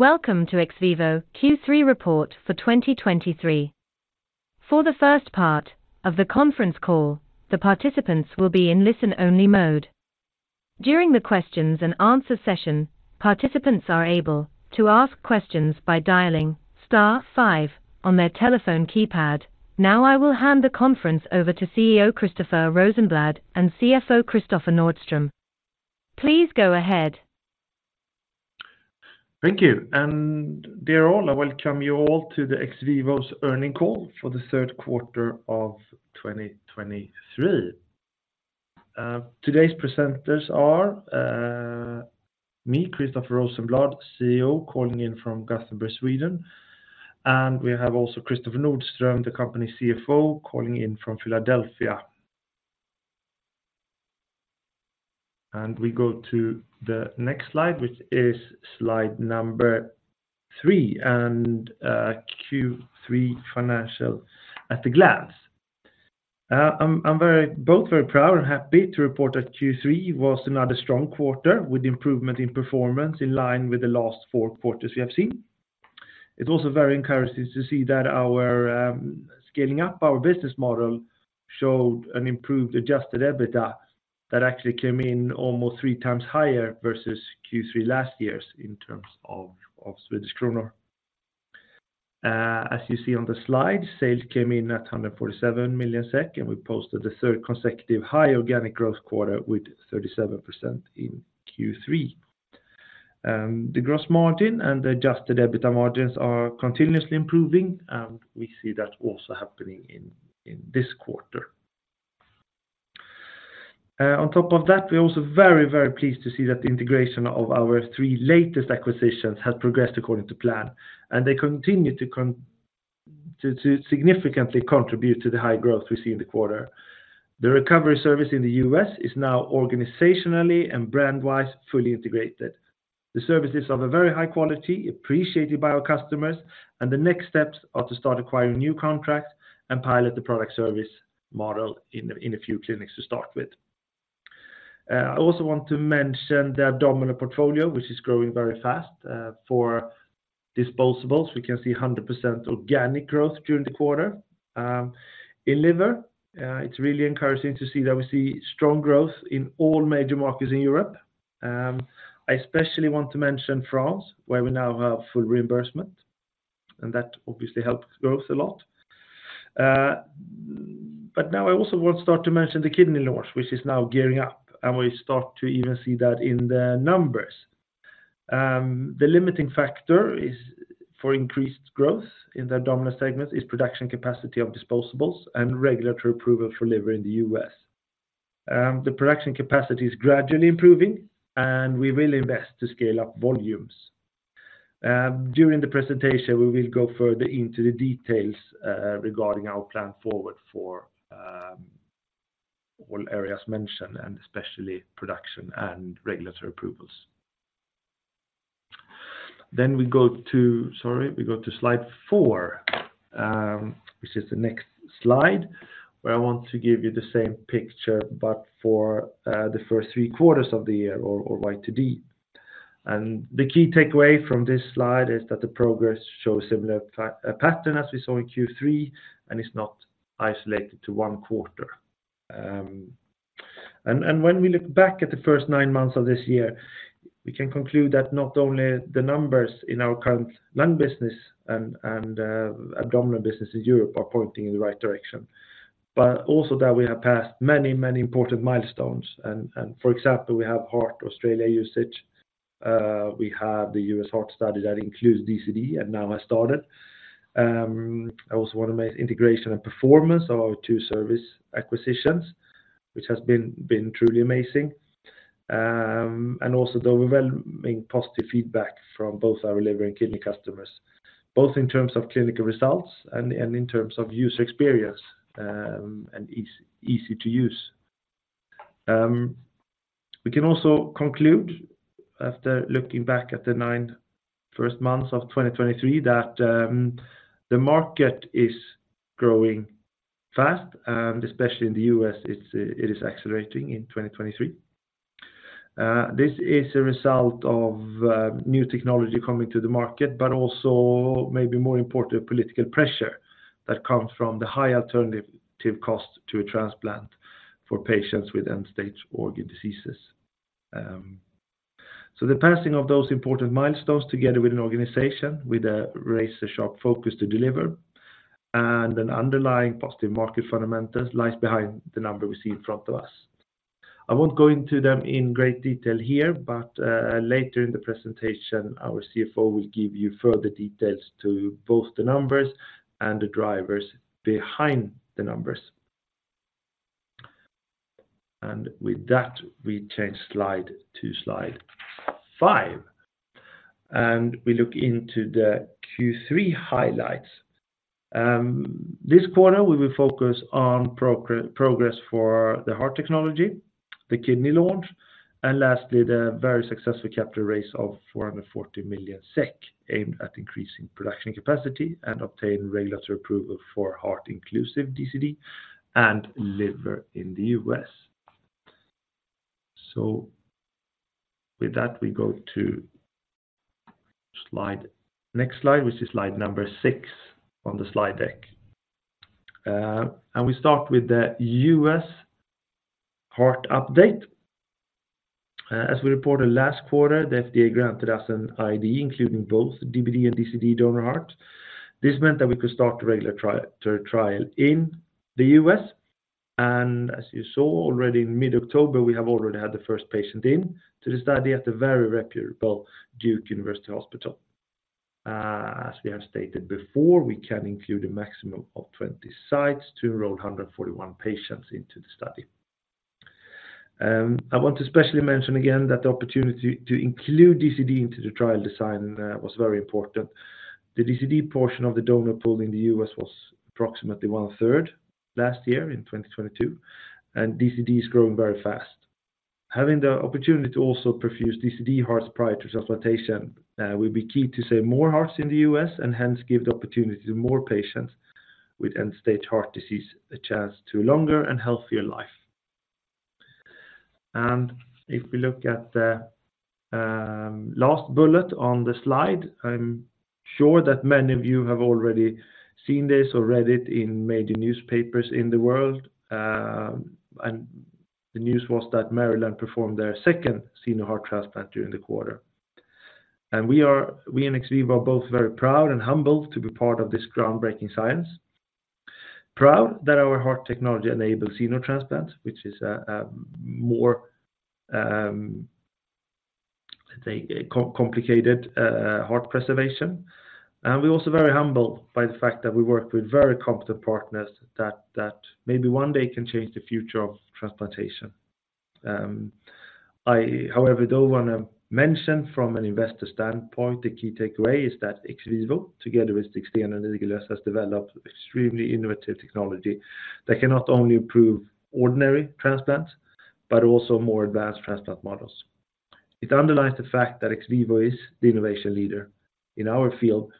Welcome to XVIVO Q3 report for 2023. For the first part of the conference call, the participants will be in listen-only mode. During the questions and answer session, participants are able to ask questions by dialing star five on their telephone keypad. Now, I will hand the conference over to CEO Christoffer Rosenblad and CFO Kristoffer Nordström. Please go ahead. Thank you. Dear all, I welcome you all to the XVIVO's earnings call for the third quarter of 2023. Today's presenters are me, Christoffer Rosenblad, CEO, calling in from Gothenburg, Sweden, and we have also Kristoffer Nordström, the company CFO, calling in from Philadelphia. We go to the next slide, which is slide number 3, and Q3 financial at a glance. I'm very—both very proud and happy to report that Q3 was another strong quarter, with improvement in performance in line with the last four quarters we have seen. It's also very encouraging to see that our scaling up our business model showed an improved adjusted EBITDA that actually came in almost 3 times higher versus Q3 last year's in terms of Swedish kronor. As you see on the slide, sales came in at 147 million SEK, and we posted the third consecutive high organic growth quarter with 37% in Q3. The gross margin and the adjusted EBITDA margins are continuously improving, and we see that also happening in this quarter. On top of that, we're also very, very pleased to see that the integration of our three latest acquisitions has progressed according to plan, and they continue to significantly contribute to the high growth we see in the quarter. The recovery service in the U.S. is now organizationally and brand-wise fully integrated. The services are of a very high quality, appreciated by our customers, and the next steps are to start acquiring new contracts and pilot the product service model in a few clinics to start with. I also want to mention the abdominal portfolio, which is growing very fast. For disposables, we can see 100% organic growth during the quarter. In liver, it's really encouraging to see that we see strong growth in all major markets in Europe. I especially want to mention France, where we now have full reimbursement, and that obviously helps growth a lot. But now I also want to start to mention the kidney launch, which is now gearing up, and we start to even see that in the numbers. The limiting factor is for increased growth in the abdominal segment is production capacity of disposables and regulatory approval for liver in the U.S. The production capacity is gradually improving, and we will invest to scale up volumes. During the presentation, we will go further into the details regarding our plan forward for all areas mentioned, and especially production and regulatory approvals. Then we go to... Sorry, we go to slide 4, which is the next slide, where I want to give you the same picture, but for the first three quarters of the year or YTD. And the key takeaway from this slide is that the progress shows a similar pattern as we saw in Q3 and is not isolated to one quarter. And when we look back at the first nine months of this year, we can conclude that not only the numbers in our current lung business and abdominal business in Europe are pointing in the right direction, but also that we have passed many, many important milestones. For example, we have heart Australia usage. We have the U.S. Heart study that includes DCD, and now has started. I also want to make integration and performance of our two service acquisitions, which has been truly amazing. And also the overwhelming positive feedback from both our liver and kidney customers, both in terms of clinical results and in terms of user experience, and easy to use. We can also conclude, after looking back at the nine first months of 2023, that the market is growing fast, and especially in the U.S., it is accelerating in 2023. This is a result of new technology coming to the market, but also maybe more important, political pressure that comes from the high alternative cost to a transplant for patients with end-stage organ diseases. So the passing of those important milestones, together with an organization with a razor-sharp focus to deliver and an underlying positive market fundamentals, lies behind the number we see in front of us. I won't go into them in great detail here, but later in the presentation, our CFO will give you further details to both the numbers and the drivers behind the numbers. With that, we change slide to slide 5, and we look into the Q3 highlights. This quarter, we will focus on progress for the heart technology, the kidney launch, and lastly, the very successful capital raise of 400 million SEK, aimed at increasing production capacity and obtain regulatory approval for heart inclusive DCD and liver in the US. So with that, we go to slide, next slide, which is slide number 6 on the slide deck. We start with the U.S. heart update. As we reported last quarter, the FDA granted us an IDE, including both DBD and DCD donor heart. This meant that we could start the regular trial in the U.S. As you saw already in mid-October, we have already had the first patient in to the study at the very reputable Duke University Hospital. As we have stated before, we can include a maximum of 20 sites to enroll 141 patients into the study. I want to especially mention again that the opportunity to include DCD into the trial design was very important. The DCD portion of the donor pool in the U.S. was approximately one-third last year in 2022, and DCD is growing very fast. Having the opportunity to also perfuse DCD hearts prior to transplantation will be key to save more hearts in the U.S. and hence give the opportunity to more patients with end-stage heart disease a chance to a longer and healthier life. If we look at the last bullet on the slide, I'm sure that many of you have already seen this or read it in major newspapers in the world, and the news was that Maryland performed their second xenotransplant during the quarter. And we in XVIVO are both very proud and humbled to be part of this groundbreaking science. Proud that our heart technology enables xenotransplant, which is a more, let's say, co-complicated heart preservation. We're also very humbled by the fact that we work with very competent partners that maybe one day can change the future of transplantation. However, though, I want to mention from an investor standpoint, the key takeaway is that XVIVO, together with Stig Steen and Igelösa, has developed extremely innovative technology that can not only improve ordinary transplants, but also more advanced transplant models. It underlines the fact that XVIVO is the innovation leader in our field.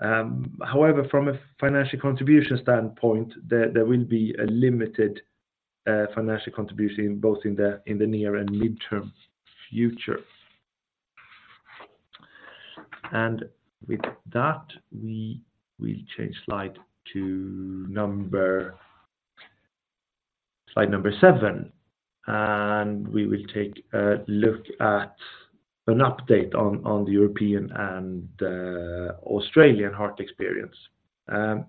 However, from a financial contribution standpoint, there will be a limited financial contribution both in the near and midterm future. And with that, we will change to slide number 7, and we will take a look at an update on the European and Australian heart experience. As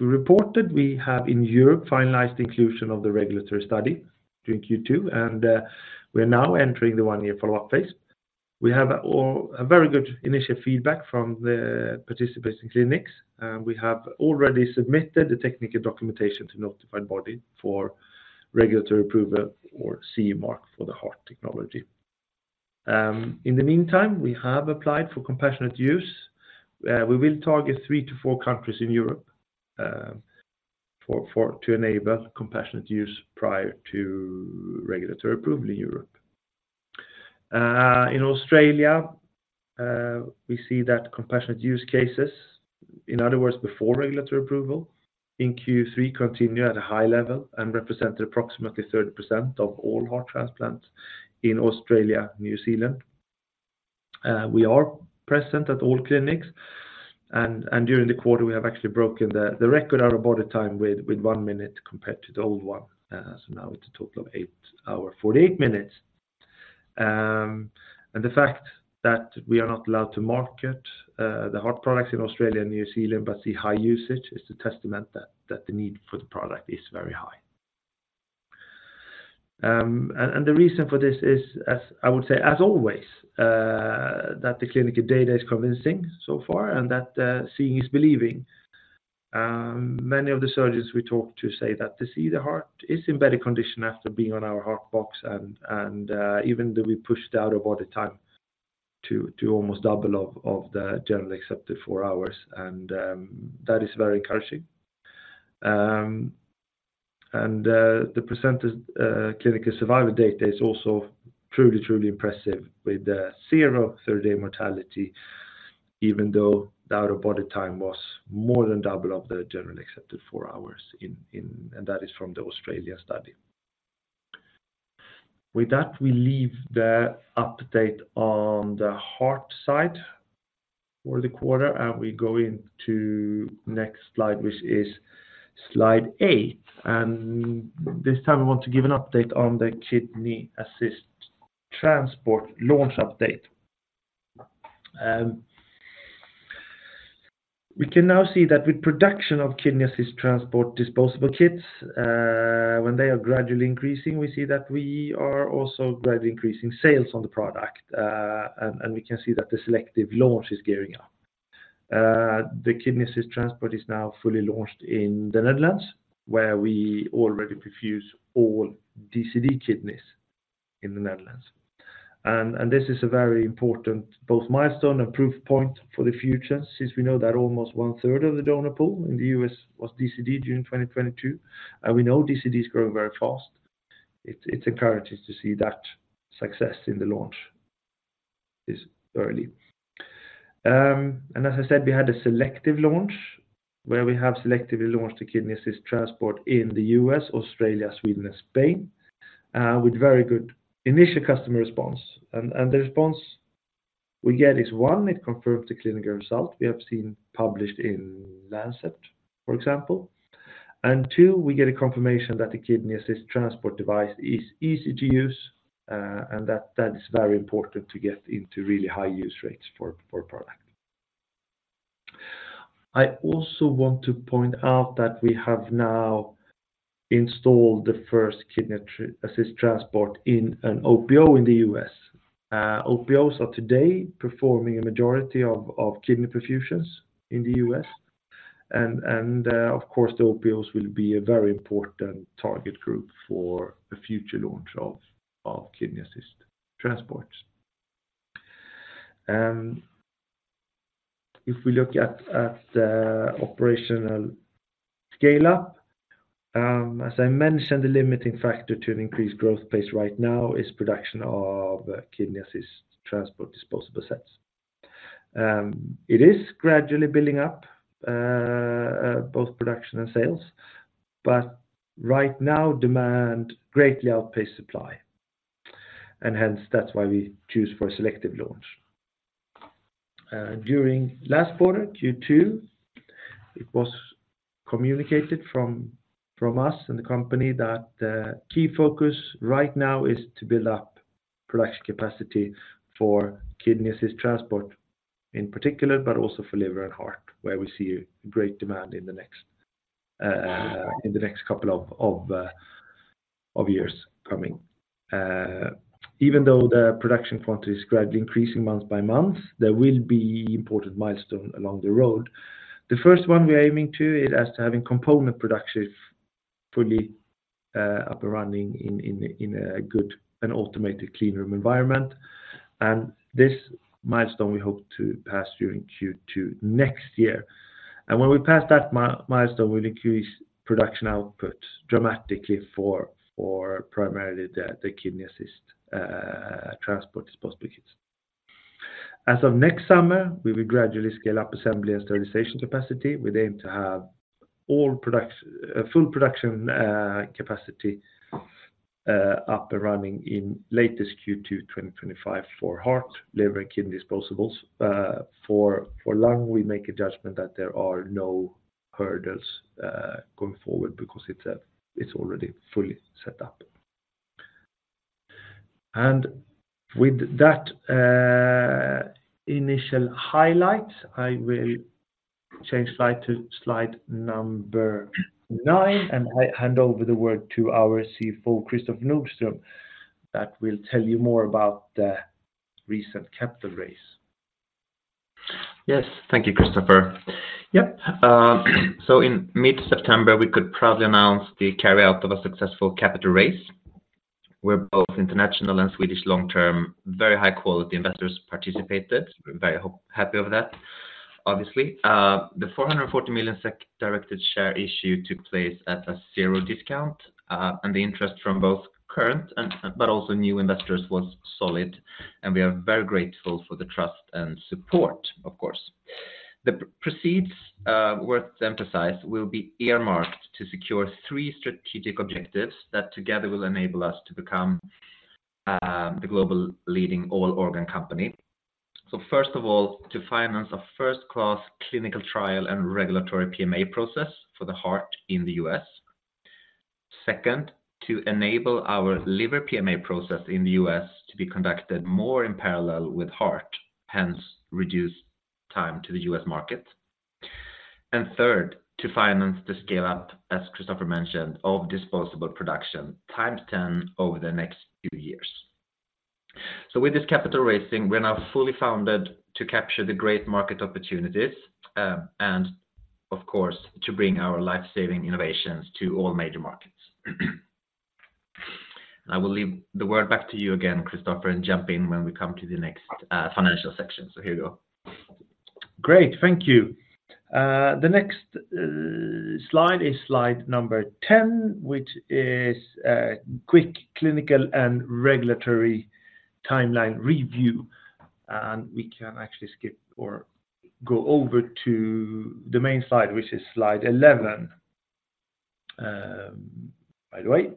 we reported, we have in Europe finalized inclusion of the regulatory study during Q2, and we are now entering the 1-year follow-up phase. We have a very good initial feedback from the participants in clinics, and we have already submitted the technical documentation to notified body for regulatory approval or CE mark for the heart technology. In the meantime, we have applied for compassionate use. We will target 3-4 countries in Europe to enable compassionate use prior to regulatory approval in Europe. In Australia, we see that compassionate use cases, in other words, before regulatory approval, in Q3, continue at a high level and represent approximately 30% of all heart transplants in Australia, New Zealand. We are present at all clinics, and during the quarter, we have actually broken the record out-of-body time with 1 minute compared to the old one. So now it's a total of 8 hours, 48 minutes. And the fact that we are not allowed to market the heart products in Australia and New Zealand, but the high usage is the testament that the need for the product is very high. And the reason for this is, as I would say, as always, that the clinical data is convincing so far and that seeing is believing. Many of the surgeons we talk to say that to see the heart is in better condition after being on our Heart Box and even though we pushed out of all the time to almost double of the generally accepted four hours, and that is very encouraging. And the percentage clinical survival data is also truly, truly impressive, with zero 30-day mortality, even though the out-of-body time was more than double of the generally accepted four hours, and that is from the Australia study. With that, we leave the update on the heart side for the quarter, and we go into next slide, which is slide eight. This time we want to give an update on the Kidney Assist Transport launch update. We can now see that with production of Kidney Assist Transport disposable kits, when they are gradually increasing, we see that we are also gradually increasing sales on the product, and we can see that the selective launch is gearing up. The Kidney Assist Transport is now fully launched in the Netherlands, where we already perfuse all DCD kidneys in the Netherlands. And this is a very important both milestone and proof point for the future, since we know that almost one-third of the donor pool in the U.S. was DCD during 2022, and we know DCD is growing very fast. It encourages to see that success in the launch this early. And as I said, we had a selective launch, where we have selectively launched the Kidney Assist Transport in the U.S., Australia, Sweden, and Spain, with very good initial customer response. And the response we get is, 1, it confirmed the clinical result we have seen published in Lancet, for example. And 2, we get a confirmation that the Kidney Assist Transport device is easy to use, and that is very important to get into really high use rates for product. I also want to point out that we have now installed the first Kidney Assist Transport in an OPO in the U.S. OPOs are today performing a majority of kidney perfusions in the U.S., and of course, the OPOs will be a very important target group for the future launch of Kidney Assist Transports. If we look at the operational scale up, as I mentioned, the limiting factor to an increased growth pace right now is production of Kidney Assist Transport disposable sets. It is gradually building up, both production and sales, but right now, demand greatly outpaced supply, and hence, that's why we choose for a selective launch. During last quarter, Q2, it was communicated from us and the company that, key focus right now is to build up production capacity for Kidney Assist Transport in particular, but also for liver and heart, where we see a great demand in the next couple of years coming. Even though the production quantity is gradually increasing month by month, there will be important milestone along the road. The first one we are aiming to is as to having component production fully up and running in a good and automated clean room environment. This milestone, we hope to pass during Q2 next year. And when we pass that milestone, we'll increase production output dramatically for primarily the Kidney Assist Transport disposable kits. As of next summer, we will gradually scale up assembly and sterilization capacity. We aim to have all production full production capacity up and running in latest Q2 2025 for heart, liver, and kidney disposables. For lung, we make a judgment that there are no hurdles going forward because it's already fully set up. With that, initial highlights, I will change slide to slide number nine, and I hand over the word to our CFO, Kristoffer Nordström, that will tell you more about the recent capital raise. Yes, thank you, Christoffer. Yep, so in mid-September, we could proudly announce the successful capital raise, where both international and Swedish long-term, very high-quality investors participated. We're very happy over that, obviously. The 440 million SEK directed share issue took place at a zero discount, and the interest from both current and, but also new investors was solid, and we are very grateful for the trust and support, of course. The proceeds, worth emphasizing, will be earmarked to secure three strategic objectives that together will enable us to become, the global leading all-organ company. So first of all, to finance a first-class clinical trial and regulatory PMA process for the heart in the U.S. Second, to enable our liver PMA process in the U.S. to be conducted more in parallel with heart, hence, reduce time to the U.S. market. And third, to finance the scale up, as Kristoffer mentioned, of disposable production, times 10 over the next few years. So with this capital raising, we're now fully funded to capture the great market opportunities, and of course, to bring our life-saving innovations to all major markets. I will leave the word back to you again, Christoffer, and jump in when we come to the next, financial section. So here you go. Great. Thank you. The next slide is slide number 10, which is a quick clinical and regulatory timeline review, and we can actually skip or go over to the main slide, which is slide 11, by the way.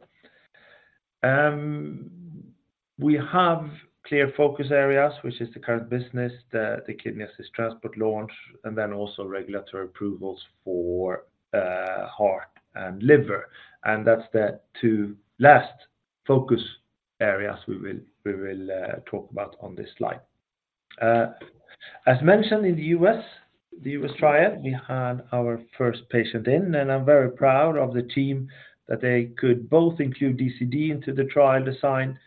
We have clear focus areas, which is the current business, the Kidney Assist Transport launch, and then also regulatory approvals for heart and liver. And that's the two last focus areas we will talk about on this slide. As mentioned in the U.S., the U.S. trial, we had our first patient in, and I'm very proud of the team that they could both include DCD into the trial design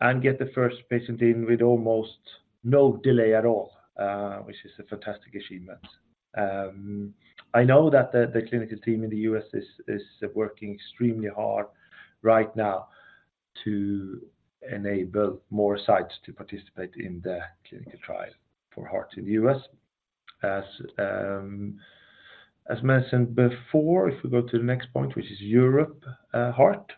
and get the first patient in with almost no delay at all, which is a fantastic achievement. I know that the clinical team in the U.S. is working extremely hard right now to enable more sites to participate in the clinical trial for heart in the U.S. As mentioned before, if we go to the next point, which is Europe, heart.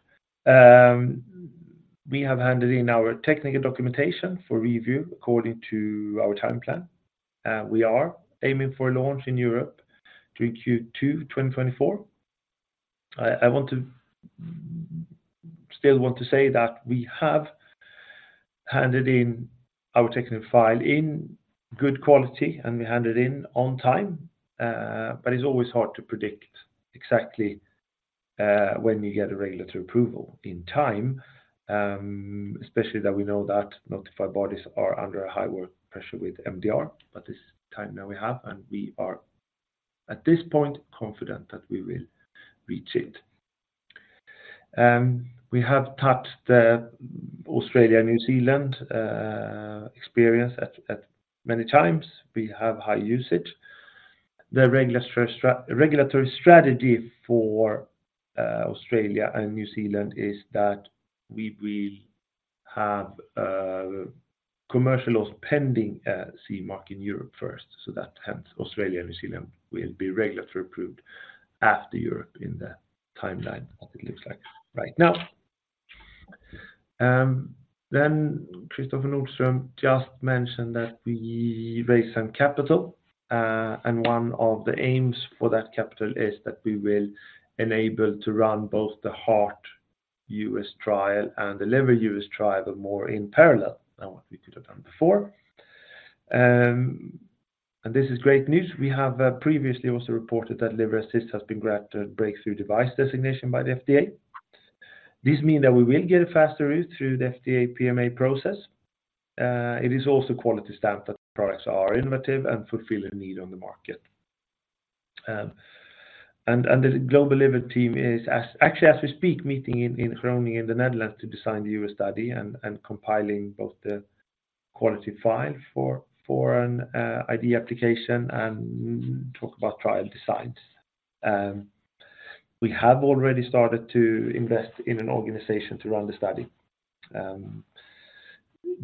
We have handed in our technical documentation for review according to our time plan. We are aiming for launch in Europe during Q2 2024. I still want to say that we have handed in our technical file in good quality, and we hand it in on time, but it's always hard to predict exactly when you get a regulatory approval in time. Especially that we know that notified bodies are under a high work pressure with MDR, but this time now we have, and we are, at this point, confident that we will reach it. We have touched the Australia, New Zealand experience at many times. We have high usage. The regular regulatory strategy for Australia and New Zealand is that we will have commercial launch pending CE Mark in Europe first. So that hence, Australia, New Zealand will be regulatory approved after Europe in the timeline, as it looks like right now. Then Kristoffer Nordström just mentioned that we raised some capital, and one of the aims for that capital is that we will enable to run both the heart US trial and the liver US trial, the more in parallel than what we could have done before. This is great news. We have previously also reported that Liver Assist has been granted a breakthrough device designation by the FDA. This means that we will get a faster route through the FDA PMA process. It is also a quality stamp that products are innovative and fulfill a need on the market. The global liver team is, actually, as we speak, meeting in Groningen, in the Netherlands, to design the US study and compiling both the quality file for an IDE application and talk about trial designs. We have already started to invest in an organization to run the study.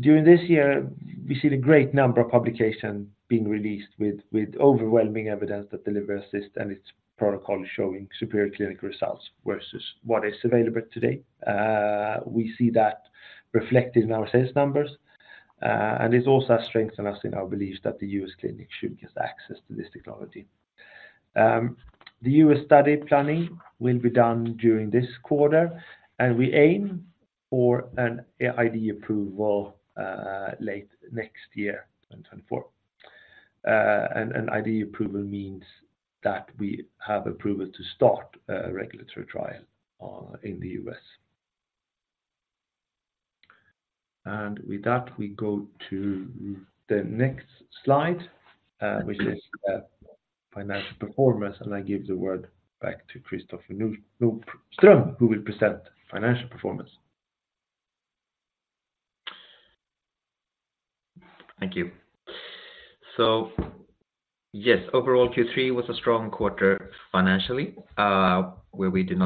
During this year, we see the great number of publications being released with overwhelming evidence that the Liver Assist and its protocol are showing superior clinical results versus what is available today. We see that reflected in our sales numbers, and it's also strengthened us in our beliefs that the US clinic should get access to this technology. The US study planning will be done during this quarter, and we aim for an IDE approval late next year, in 2024. An IDE approval means that we have approval to start a regulatory trial in the US. With that, we go to the next slide, which is financial performance, and I give the word back to Kristoffer Nordström, who will present financial performance. Thank you. So yes, overall, Q3 was a strong quarter financially, where we did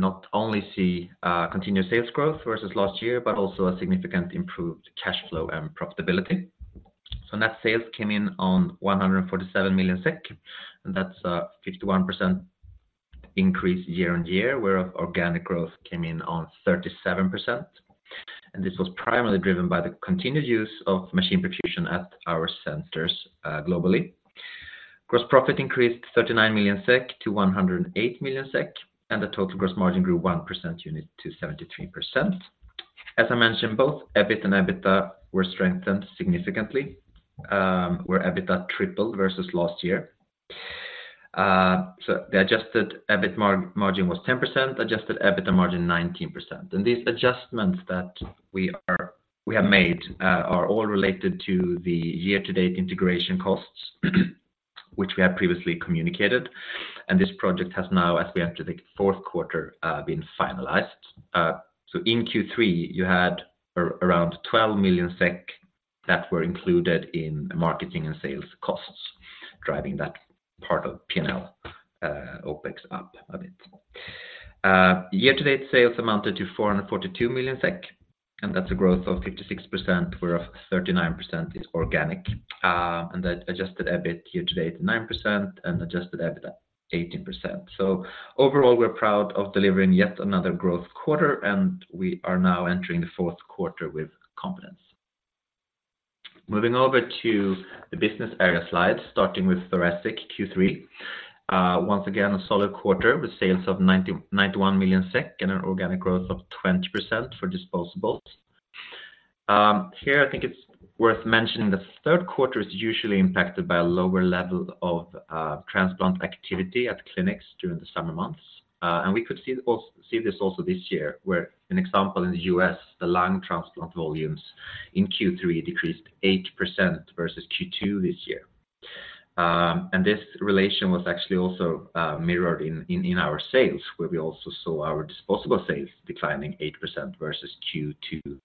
not only see continued sales growth versus last year, but also a significant improved cash flow and profitability. So net sales came in on 147 million SEK, and that's a 51% increase year on year, where organic growth came in on 37%. And this was primarily driven by the continued use of machine perfusion at our centers globally. Gross profit increased 39 million SEK to 108 million SEK, and the total gross margin grew 1% unit to 73%. As I mentioned, both EBIT and EBITDA were strengthened significantly, where EBITDA tripled versus last year. So the adjusted EBIT margin was 10%, adjusted EBITDA margin, 19%. These adjustments that we are, we have made, are all related to the year-to-date integration costs, which we have previously communicated, and this project has now, as we enter the fourth quarter, been finalized. So in Q3, you had around 12 million SEK that were included in marketing and sales costs, driving that part of P&L, OpEx up a bit. Year-to-date sales amounted to 442 million SEK, and that's a growth of 56%, whereof 39% is organic. And the adjusted EBIT here today to 9% and adjusted EBITDA 18%. So overall, we're proud of delivering yet another growth quarter, and we are now entering the fourth quarter with confidence. Moving over to the business area slides, starting with thoracic Q3. Once again, a solid quarter with sales of 91 million SEK and an organic growth of 20% for disposables. Here, I think it's worth mentioning the third quarter is usually impacted by a lower level of transplant activity at clinics during the summer months. And we could see this also this year, where an example in the U.S., the lung transplant volumes in Q3 decreased 8% versus Q2 this year. And this relation was actually also mirrored in our sales, where we also saw our disposable sales declining 8% versus Q2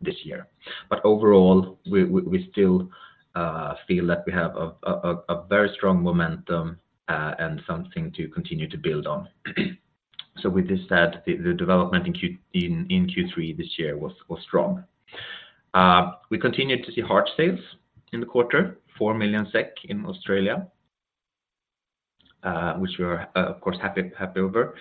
this year. But overall, we still feel that we have a very strong momentum and something to continue to build on. So with this said, the development in Q3 this year was strong. We continued to see heart sales in the quarter, 4 million SEK in Australia, which we are, of course, happy, happy over.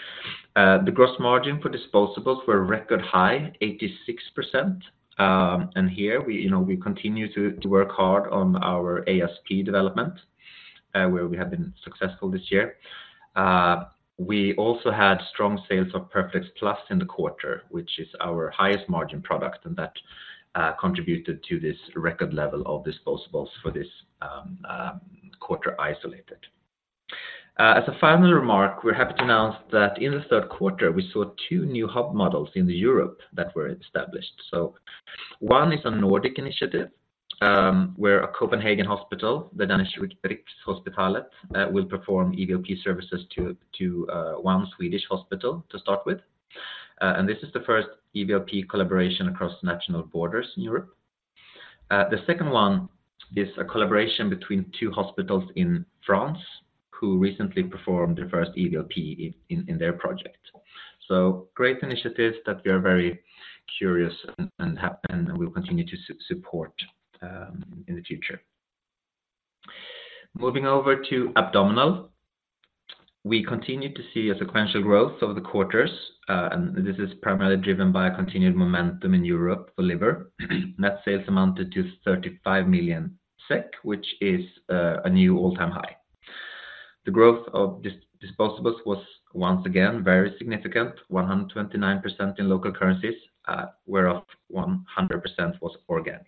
The gross margin for disposables were record high, 86%. And here we, you know, we continue to, to work hard on our ASP development, where we have been successful this year. We also had strong sales of PERFADEX Plus in the quarter, which is our highest margin product, and that contributed to this record level of disposables for this quarter isolated. As a final remark, we're happy to announce that in the third quarter, we saw two new hub models in Europe that were established. So one is a Nordic initiative, where a Copenhagen hospital, the Danish Rigshospitalet, will perform EVLP services to one Swedish hospital, to start with. And this is the first EVLP collaboration across national borders in Europe. The second one is a collaboration between two hospitals in France, who recently performed their first EVLP in their project. So great initiatives that we are very curious and happy and we'll continue to support in the future. Moving over to abdominal, we continue to see a sequential growth over the quarters, and this is primarily driven by a continued momentum in Europe for liver. Net sales amounted to 35 million SEK, which is a new all-time high. The growth of disposables was once again very significant, 129% in local currencies, whereof 100% was organic.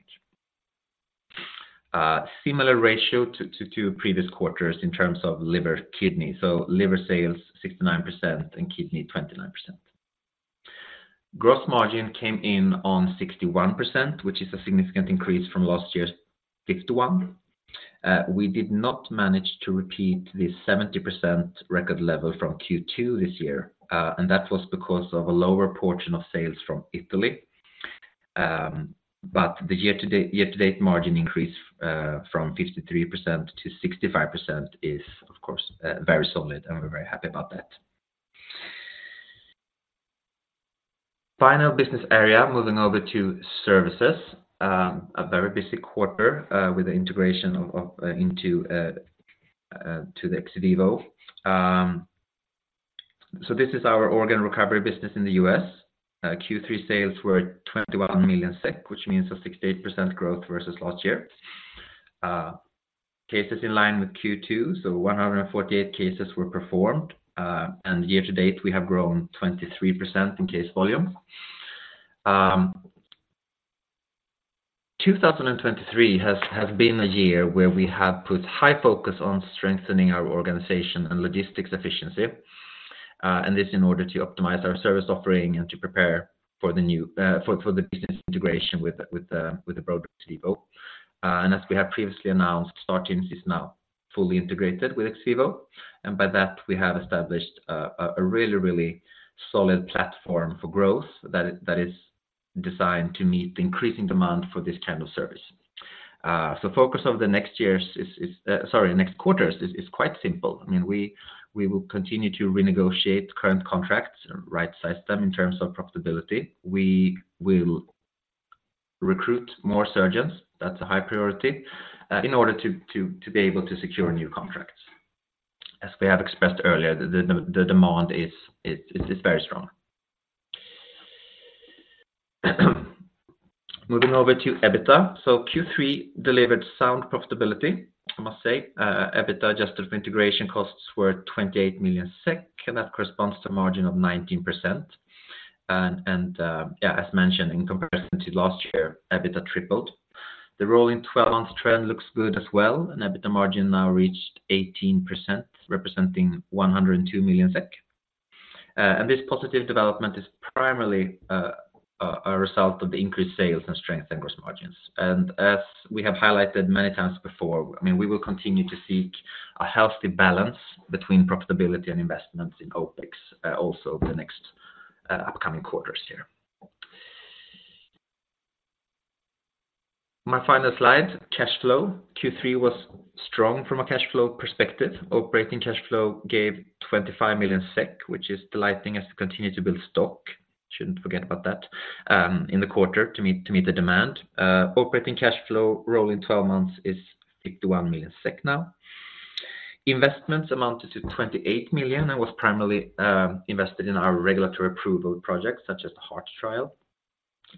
Similar ratio to previous quarters in terms of liver, kidney. So liver sales, 69% and kidney, 29%. Gross margin came in on 61%, which is a significant increase from last year's 51%. We did not manage to repeat the 70% record level from Q2 this year, and that was because of a lower portion of sales from Italy. But the year-to-date, year-to-date margin increase from 53% to 65% is, of course, very solid, and we're very happy about that. Final business area, moving over to services, a very busy quarter with the integration into XVIVO. So this is our organ recovery business in the U.S. Q3 sales were 21 million SEK, which means a 68% growth versus last year. Cases in line with Q2, so 148 cases were performed. And year-to-date, we have grown 23% in case volume. 2023 has been a year where we have put high focus on strengthening our organization and logistics efficiency, and this in order to optimize our service offering and to prepare for the business integration with the broader XVIVO. And as we have previously announced, STAR Teams is now fully integrated with XVIVO, and by that, we have established a really solid platform for growth that is designed to meet the increasing demand for this kind of service. So focus of the next quarters is quite simple. I mean, we will continue to renegotiate current contracts and right-size them in terms of profitability. We will recruit more surgeons, that's a high priority, in order to be able to secure new contracts. As we have expressed earlier, the demand is very strong. Moving over to EBITDA. So Q3 delivered sound profitability, I must say. EBITDA, adjusted for integration costs, were 28 million SEK, and that corresponds to a margin of 19%. And, yeah, as mentioned, in comparison to last year, EBITDA tripled. The rolling 12-month trend looks good as well, and EBITDA margin now reached 18%, representing 102 million SEK. And this positive development is primarily a result of the increased sales and strength and gross margins. As we have highlighted many times before, I mean, we will continue to seek a healthy balance between profitability and investments in OpEx, also the next upcoming quarters here. My final slide, cash flow. Q3 was strong from a cash flow perspective. Operating cash flow gave 25 million SEK, which is delighting as we continue to build stock, shouldn't forget about that, in the quarter to meet the demand. Operating cash flow, rolling 12 months is 51 million SEK now. Investments amounted to 28 million SEK and was primarily invested in our regulatory approval projects, such as the heart trial.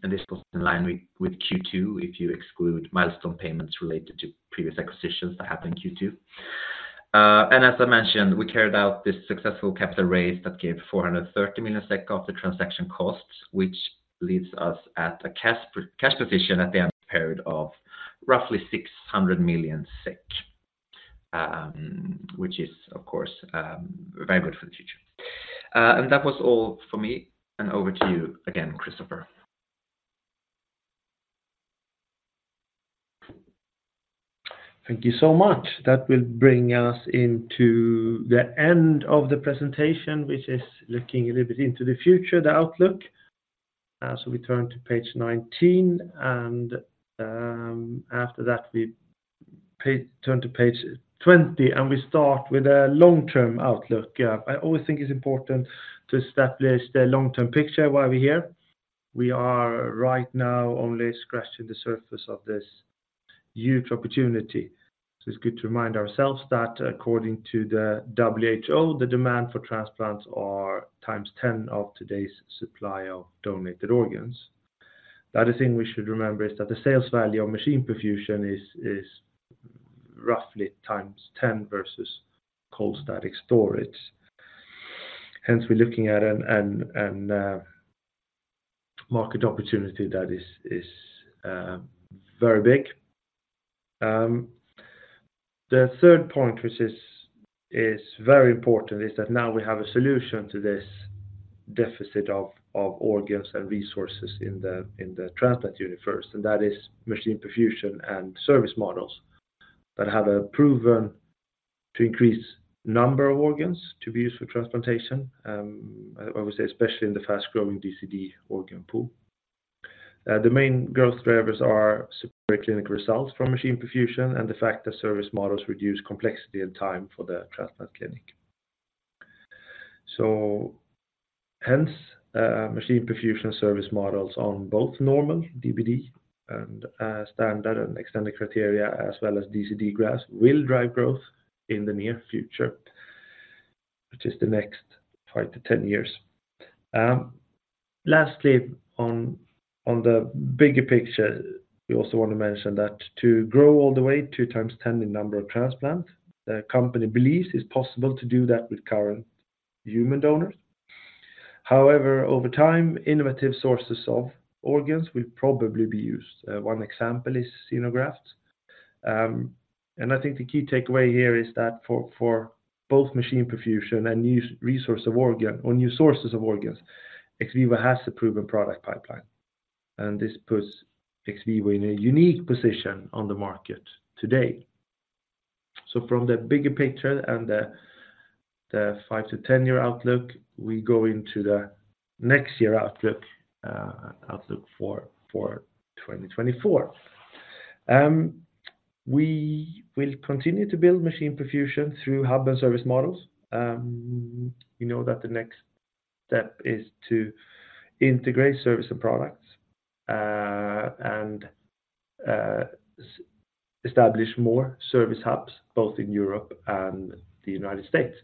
This was in line with Q2, if you exclude milestone payments related to previous acquisitions that happened in Q2. As I mentioned, we carried out this successful capital raise that gave 430 million SEK of the transaction costs, which leaves us at a cash position at the end of the period of roughly 600 million, which is, of course, very good for the future. That was all for me, and over to you again, Christoffer. Thank you so much. That will bring us into the end of the presentation, which is looking a little bit into the future, the outlook.... So we turn to page 19, and after that, we turn to page 20, and we start with a long-term outlook. Yeah, I always think it's important to establish the long-term picture while we're here. We are right now only scratching the surface of this huge opportunity. So it's good to remind ourselves that according to the WHO, the demand for transplants are 10 times of today's supply of donated organs. The other thing we should remember is that the sales value of machine perfusion is roughly 10 times versus cold static storage. Hence, we're looking at a market opportunity that is very big. The third point, which is very important, is that now we have a solution to this deficit of organs and resources in the transplant universe, and that is machine perfusion and service models that have a proven to increase number of organs to be used for transplantation. I would say especially in the fast-growing DCD organ pool. The main growth drivers are superior clinical results from machine perfusion and the fact that service models reduce complexity and time for the transplant clinic. So hence, machine perfusion service models on both normal DBD and standard and extended criteria, as well as DCD grafts, will drive growth in the near future, which is the next five to 10 years. Lastly, on the bigger picture, we also want to mention that to grow all the way, 20, the number of transplants, the company believes it's possible to do that with current human donors. However, over time, innovative sources of organs will probably be used. One example is xenografts. And I think the key takeaway here is that for both machine perfusion and new resource of organ or new sources of organs, XVIVO has a proven product pipeline, and this puts XVIVO in a unique position on the market today. So from the bigger picture and the 5-10 year outlook, we go into the next year outlook, outlook for 2024. We will continue to build machine perfusion through hub and service models. We know that the next step is to integrate service and products, and establish more service hubs, both in Europe and the United States.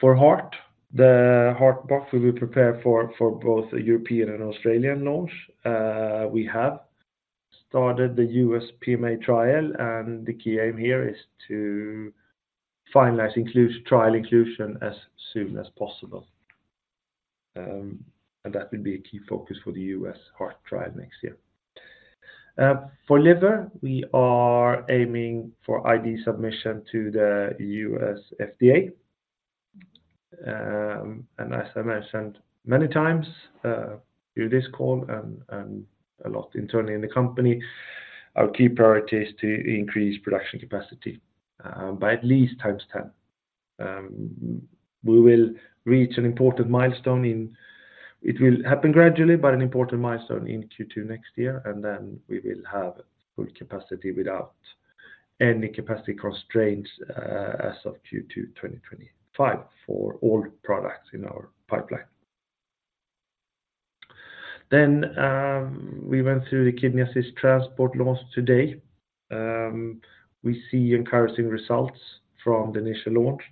For heart, the Heart Box, we will prepare for both a European and Australian launch. We have started the U.S. PMA trial, and the key aim here is to finalize trial inclusion as soon as possible. And that will be a key focus for the U.S. heart trial next year. For liver, we are aiming for IDE submission to the U.S. FDA. And as I mentioned many times, through this call and a lot internally in the company, our key priority is to increase production capacity by at least 10 times. We will reach an important milestone. It will happen gradually, but an important milestone in Q2 next year, and then we will have full capacity without any capacity constraints, as of Q2 2025 for all products in our pipeline. Then, we went through the Kidney Assist Transport launch today. We see encouraging results from the initial launch,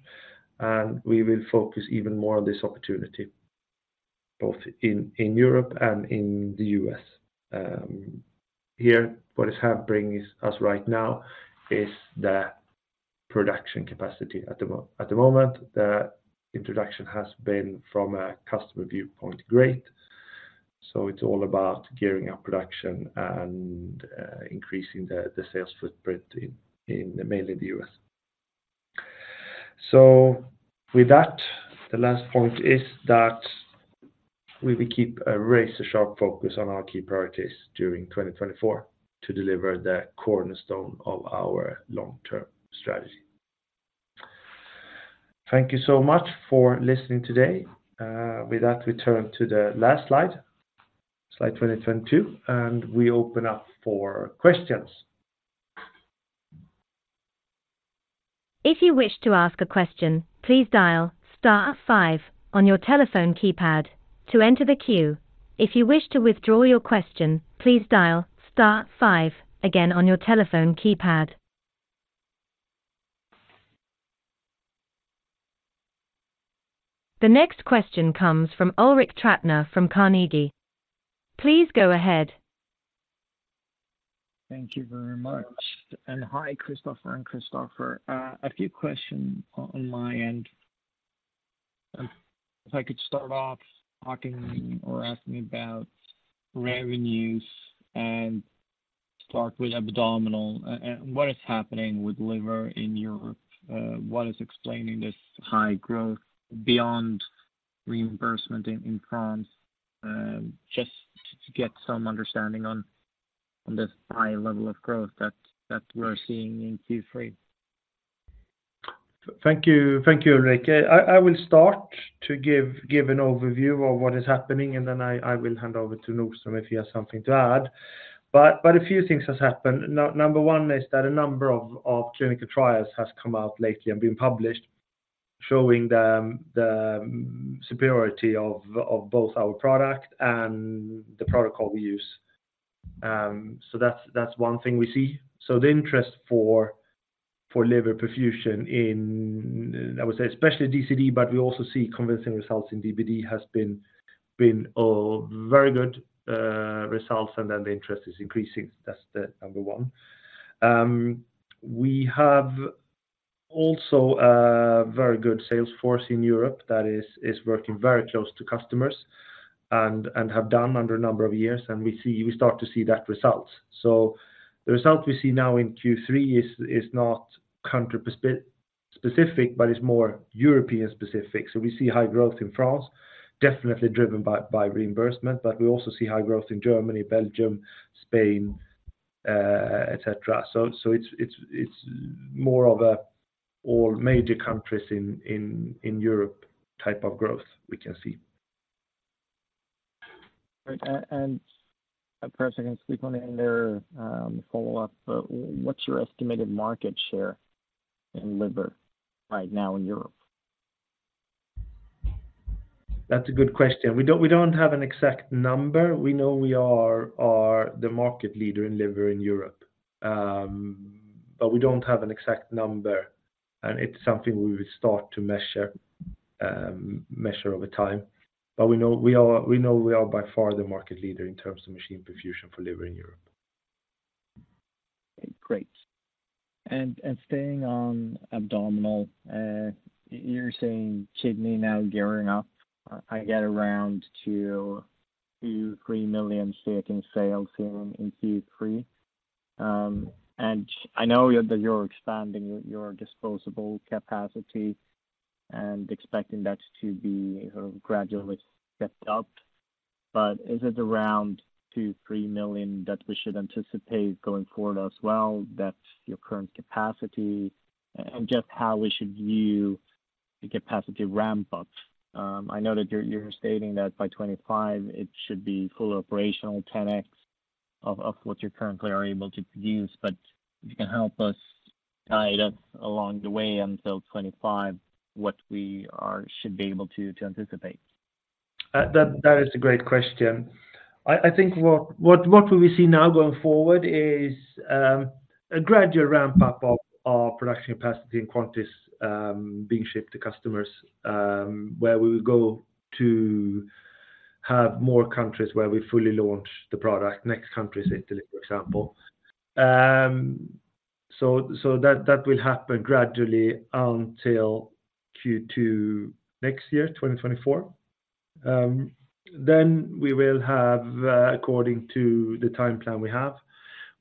and we will focus even more on this opportunity, both in Europe and in the U.S. Here, what is happening right now is the production capacity. At the moment, the introduction has been, from a customer viewpoint, great. So it's all about gearing up production and increasing the sales footprint in mainly the U.S. With that, the last point is that we will keep a razor-sharp focus on our key priorities during 2024 to deliver the cornerstone of our long-term strategy. Thank you so much for listening today. With that, we turn to the last slide, slide 22, and we open up for questions. If you wish to ask a question, please dial star five on your telephone keypad to enter the queue. If you wish to withdraw your question, please dial star five again on your telephone keypad. The next question comes from Ulrik Trattner from Carnegie. Please go ahead. Thank you very much. Hi, Christoffer and Kristoffer. A few questions on my end. If I could start off talking or asking about revenues and start with abdominal, and what is happening with liver in Europe? What is explaining this high growth beyond reimbursement in France? Just to get some understanding on this high level of growth that we're seeing in Q3. ...Thank you, thank you, Ulrik. I will start to give an overview of what is happening, and then I will hand over to Nordström, if he has something to add. But a few things has happened. Number one is that a number of clinical trials has come out lately and been published, showing the superiority of both our product and the protocol we use. So that's one thing we see. So the interest for liver perfusion in, I would say, especially DCD, but we also see convincing results in DBD has been very good results, and then the interest is increasing. That's the number one. We have also a very good sales force in Europe that is working very close to customers and have done under a number of years, and we start to see that results. So the result we see now in Q3 is not country-specific, but it's more European specific. So we see high growth in France, definitely driven by reimbursement, but we also see high growth in Germany, Belgium, Spain, et cetera. So it's more of a all major countries in Europe type of growth we can see. Great. Perhaps I can sneak one in there, follow-up. What's your estimated market share in liver right now in Europe? That's a good question. We don't have an exact number. We know we are the market leader in liver in Europe. But we don't have an exact number, and it's something we will start to measure over time. But we know we are by far the market leader in terms of machine perfusion for liver in Europe. Great. And staying on abdominal, you're saying kidney now gearing up. I get around to 2-3 million stated sales in Q3. And I know that you're expanding your disposable capacity and expecting that to be gradually stepped up, but is it around 2-3 million that we should anticipate going forward as well, that's your current capacity? And just how we should view the capacity ramp up. I know that you're stating that by 2025, it should be full operational, 10x of what you currently are able to produce, but if you can help us tie it up along the way until 2025, what we should be able to anticipate. That is a great question. I think what we will see now going forward is a gradual ramp up of our production capacity and quantities being shipped to customers, where we will go to have more countries where we fully launch the product. Next country is Italy, for example. So that will happen gradually until Q2 next year, 2024. Then we will have, according to the time plan we have,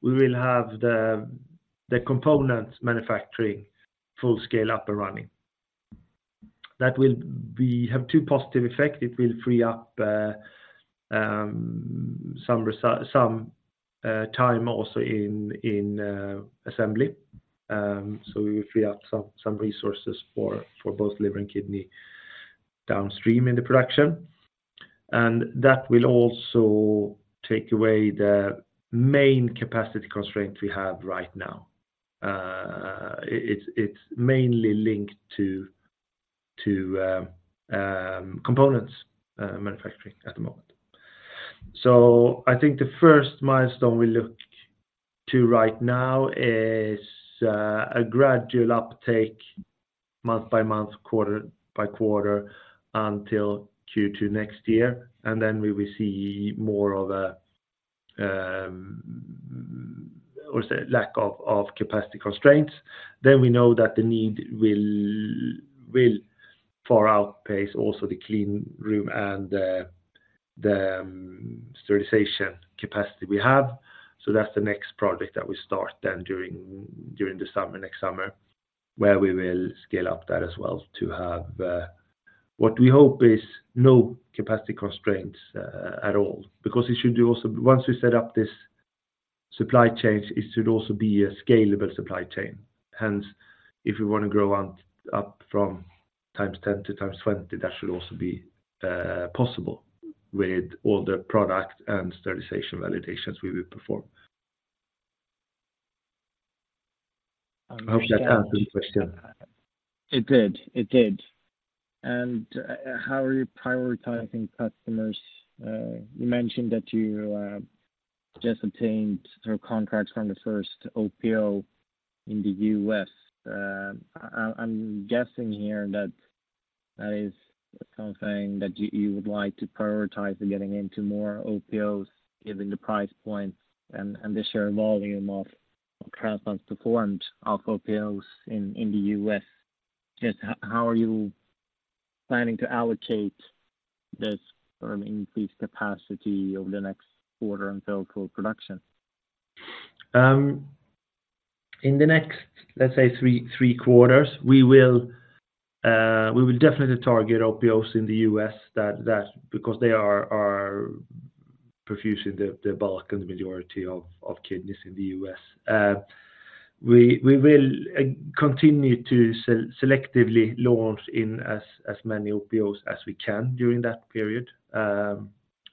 the components manufacturing full scale up and running. That will have two positive effects. It will free up some time also in assembly. So we will free up some resources for both liver and kidney downstream in the production. That will also take away the main capacity constraints we have right now. It's mainly linked to components manufacturing at the moment. So I think the first milestone we look to right now is a gradual uptake month by month, quarter by quarter, until Q2 next year. And then we will see more of a lack of capacity constraints. Then we know that the need will far outpace also the clean room and the sterilization capacity we have. So that's the next project that we start then during the summer, next summer, where we will scale up that as well to have what we hope is no capacity constraints at all. Because it should do also once we set up this supply chains, it should also be a scalable supply chain. Hence, if you want to grow on, up from 10x to 20x, that should also be possible with all the product and sterilization validations we will perform. I hope that answers the question. It did. It did. And, how are you prioritizing customers? You mentioned that you just obtained sort of contracts from the first OPO in the U.S. I'm guessing here that that is something that you would like to prioritize in getting into more OPOs, given the price point and the share volume of transplants performed of OPOs in the U.S. Just how are you planning to allocate this or increased capacity over the next quarter until full production? In the next, let's say, 3 quarters, we will definitely target OPOs in the U.S., that because they are procuring the bulk and the majority of kidneys in the U.S. We will continue to selectively launch in as many OPOs as we can during that period,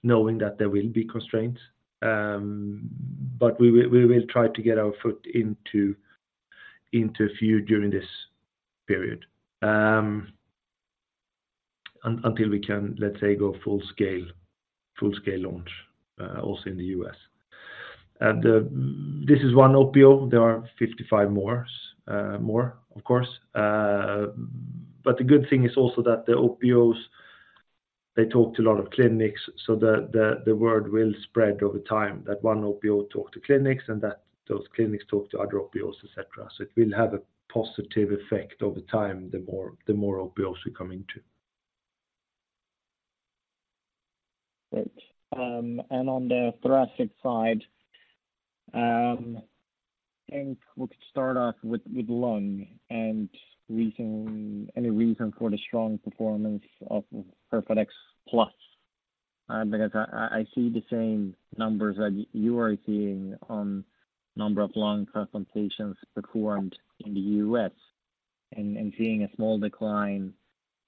knowing that there will be constraints. But we will try to get our foot into a few during this period, until we can, let's say, go full scale launch, also in the U.S. And this is one OPO, there are 55 more, of course. But the good thing is also that the OPOs, they talk to a lot of clinics, so the word will spread over time, that one OPO talk to clinics and that those clinics talk to other OPOs, et cetera. So it will have a positive effect over time, the more OPOs we come into. Great. And on the thoracic side, I think we could start off with lung and any reason for the strong performance of PERFADEX Plus? Because I see the same numbers that you are seeing on number of lung transplantations performed in the U.S., and seeing a small decline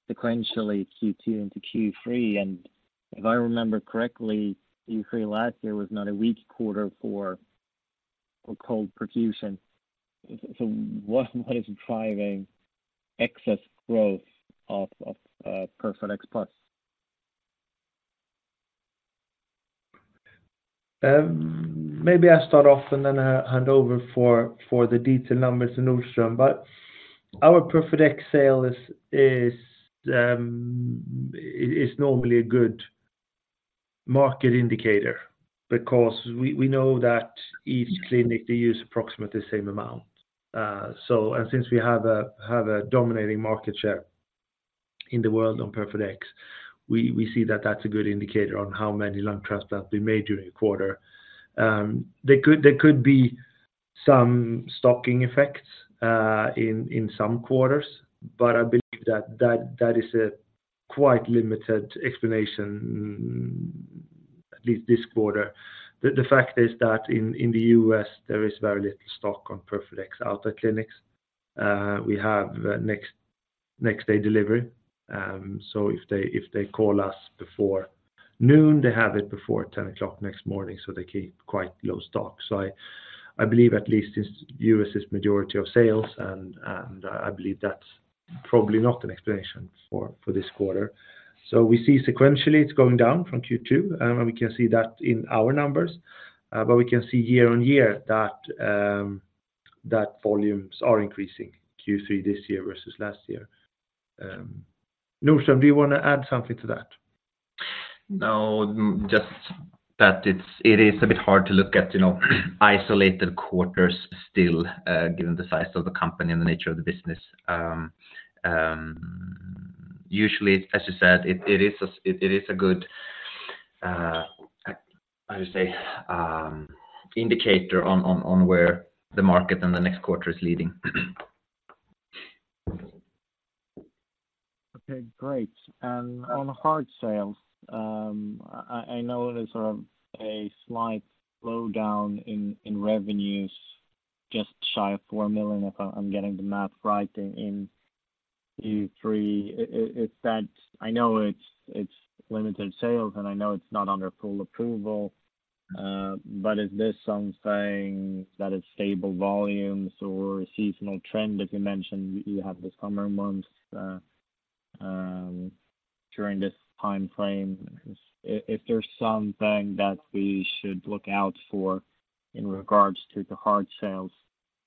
sequentially, Q2 into Q3. And if I remember correctly, Q3 last year was not a weak quarter for cold perfusion. So what is driving excess growth of PERFADEX Plus? Maybe I start off and then I hand over for the detail numbers to Nordström. But our PERFADEX sale is normally a good market indicator because we know that each clinic, they use approximately the same amount. So and since we have a dominating market share in the world on PERFADEX, we see that that's a good indicator on how many lung transplants we made during a quarter. There could be some stocking effects in some quarters, but I believe that is a quite limited explanation, at least this quarter. The fact is that in the U.S., there is very little stock on PERFADEX out at clinics. We have next day delivery, so if they call us before noon, they have it before 10 o'clock next morning, so they keep quite low stock. So I believe at least this US is majority of sales, and I believe that's probably not an explanation for this quarter. So we see sequentially, it's going down from Q2, and we can see that in our numbers, but we can see year-on-year that volumes are increasing Q3 this year versus last year. Nordström, do you want to add something to that? No, just that it's a bit hard to look at, you know, isolated quarters still, given the size of the company and the nature of the business. Usually, as you said, it is a good, how do you say, indicator on where the market and the next quarter is leading. Okay, great. And on heart sales, I know there's a slight slowdown in revenues, just shy of 4 million, if I'm getting the math right, in Q3. I know it's limited sales, and I know it's not under full approval, but is this something that is stable volumes or a seasonal trend? As you mentioned, you have the summer months during this time frame. If there's something that we should look out for in regards to the heart sales,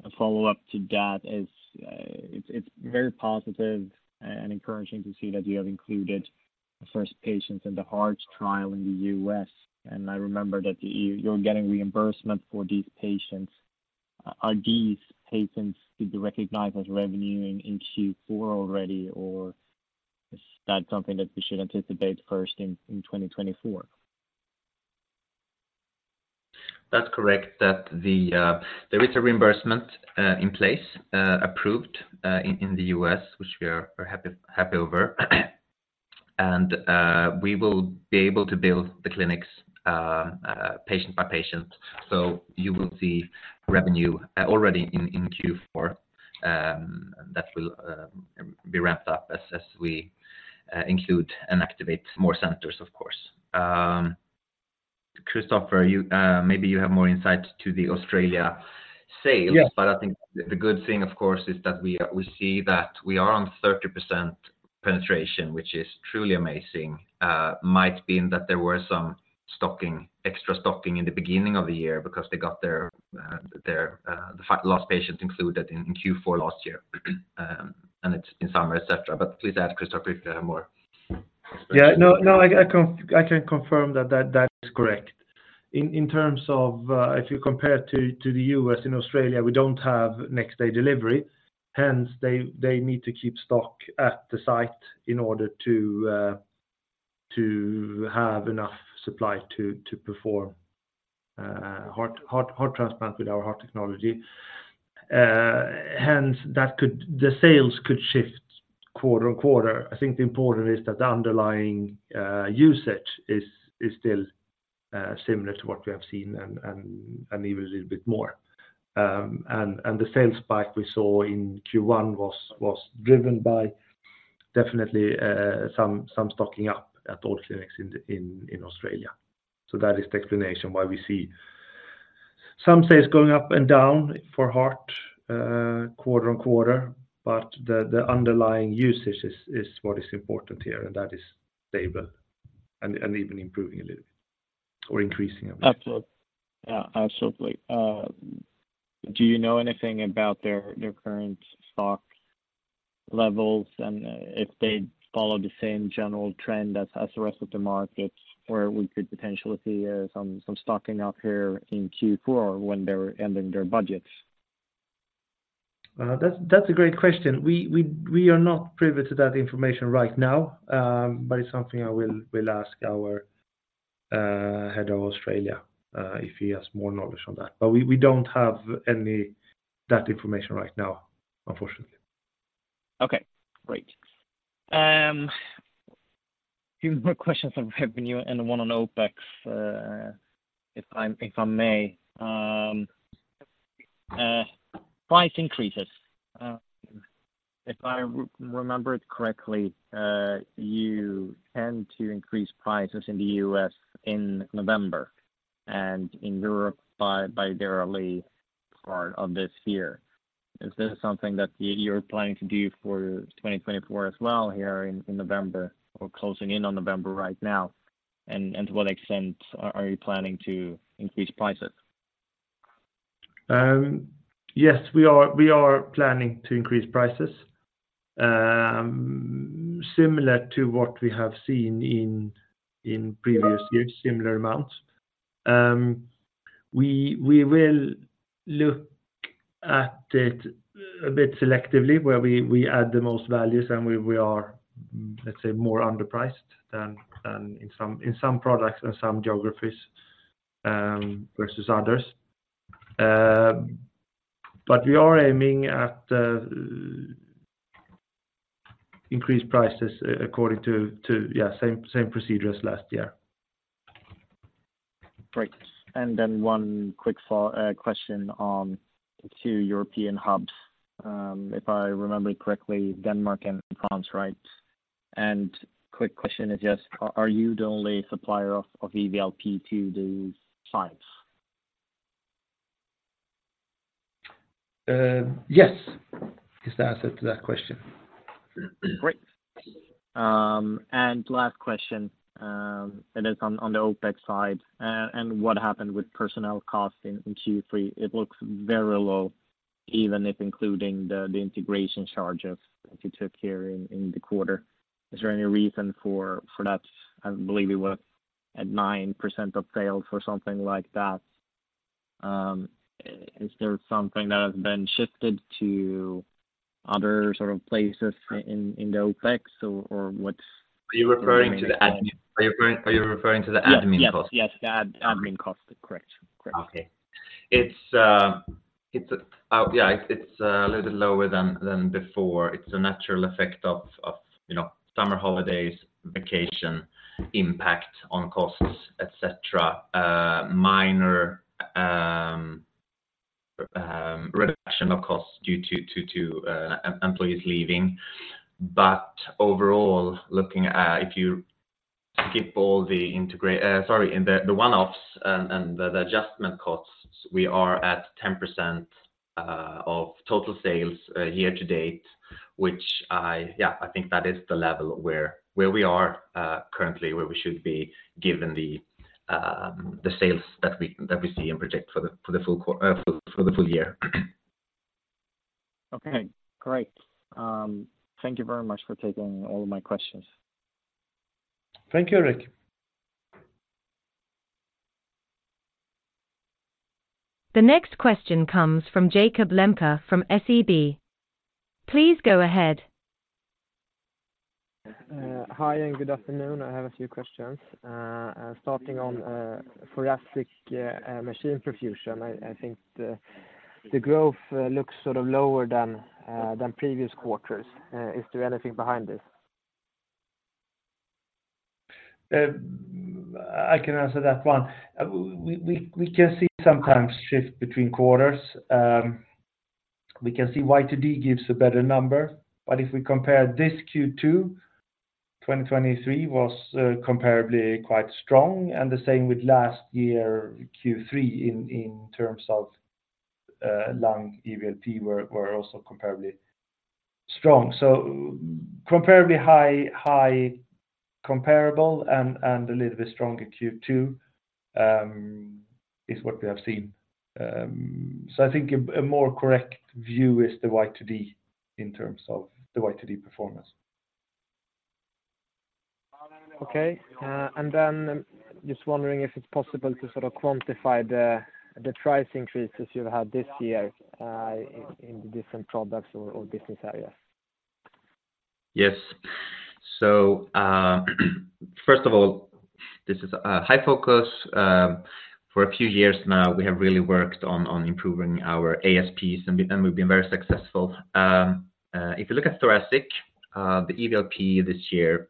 a follow-up to that is, it's very positive and encouraging to see that you have included the first patients in the hearts trial in the U.S., and I remember that you're getting reimbursement for these patients. Are these patients to be recognized as revenue in Q4 already, or is that something that we should anticipate first in 2024? That's correct, that there is a reimbursement in place, approved in the U.S., which we are happy over. And we will be able to build the clinics patient by patient. So you will see revenue already in Q4, that will be wrapped up as we include and activate more centers, of course. Christoffer, you maybe you have more insight to the Australia sales- Yeah. but I think the good thing, of course, is that we are, we see that we are on 30% penetration, which is truly amazing. Might be that there were some stocking, extra stocking in the beginning of the year because they got their, their, the last patients included in Q4 last year, and it's in summer, et cetera. But please add, Christoffer, if you have more. Yeah, no, no, I can confirm that is correct. In terms of, if you compare to the U.S., in Australia, we don't have next day delivery, hence, they need to keep stock at the site in order to have enough supply to perform heart transplant with our heart technology. Hence, the sales could shift quarter on quarter. I think the important is that the underlying usage is still similar to what we have seen and even a little bit more. And the sales spike we saw in Q1 was driven by definitely some stocking up at all clinics in Australia. So that is the explanation why we see some sales going up and down for heart, quarter on quarter, but the underlying usage is what is important here, and that is stable and even improving a little or increasing a bit. Absolutely. Yeah, absolutely. Do you know anything about their current stock levels, and if they follow the same general trend as the rest of the market, where we could potentially see some stocking up here in Q4 when they're ending their budgets? That's a great question. We are not privy to that information right now, but it's something I will ask our head of Australia if he has more knowledge on that. But we don't have any that information right now, unfortunately. Okay, great. A few more questions on revenue and one on OpEx, if I may. Price increases, if I remember it correctly, you tend to increase prices in the U.S. in November and in Europe by the early part of this year. Is this something that you're planning to do for 2024 as well here in November or closing in on November right now? And to what extent are you planning to increase prices? Yes, we are planning to increase prices, similar to what we have seen in previous years, similar amounts. We will look at it a bit selectively where we add the most values, and we are, let's say, more underpriced than in some products and some geographies, versus others. But we are aiming at increased prices according to, yeah, same procedure as last year. Great. And then one quick follow question on the two European hubs. If I remember correctly, Denmark and France, right? And quick question is, yes, are you the only supplier of, of EVLP to these clients? Yes, is the answer to that question. Great. And last question, and is on, on the OpEx side, and what happened with personnel costs in, in Q3? It looks very low, even if including the, the integration charges that you took here in, in the quarter. Is there any reason for, for that? I believe it was at 9% of sales or something like that. Is there something that has been shifted to other sort of places in, in the OpEx or, or what's- Are you referring to the admin cost? Yes. Yes, the admin cost. Correct. Correct. Okay. It's a little bit lower than before. It's a natural effect of you know, summer holidays, vacation, impact on costs, et cetera. Minor reduction of costs due to employees leaving. But overall, looking at, if you skip all the integra-- sorry, in the one-offs and the adjustment costs, we are at 10% of total sales year to date, which yeah, I think that is the level where we are currently, where we should be given the sales that we see and project for the full year. Okay, great. Thank you very much for taking all of my questions. Thank you, Ulrik. The next question comes from Jakob Lembke, from SEB. Please go ahead. Hi, and good afternoon. I have a few questions. Starting on thoracic machine perfusion. I think the growth looks sort of lower than previous quarters. Is there anything behind this? I can answer that one. We can see sometimes shift between quarters. We can see YTD gives a better number, but if we compare this Q2 2023 was comparably quite strong, and the same with last year Q3 in terms of lung EVLP were also comparably strong. So comparably high comparable and a little bit stronger Q2 is what we have seen. So I think a more correct view is the YTD in terms of the YTD performance. Okay. And then just wondering if it's possible to sort of quantify the price increases you've had this year in the different products or business areas?... Yes. So, first of all, this is a high focus. For a few years now, we have really worked on improving our ASPs, and we've been very successful. If you look at thoracic, the EVLP this year,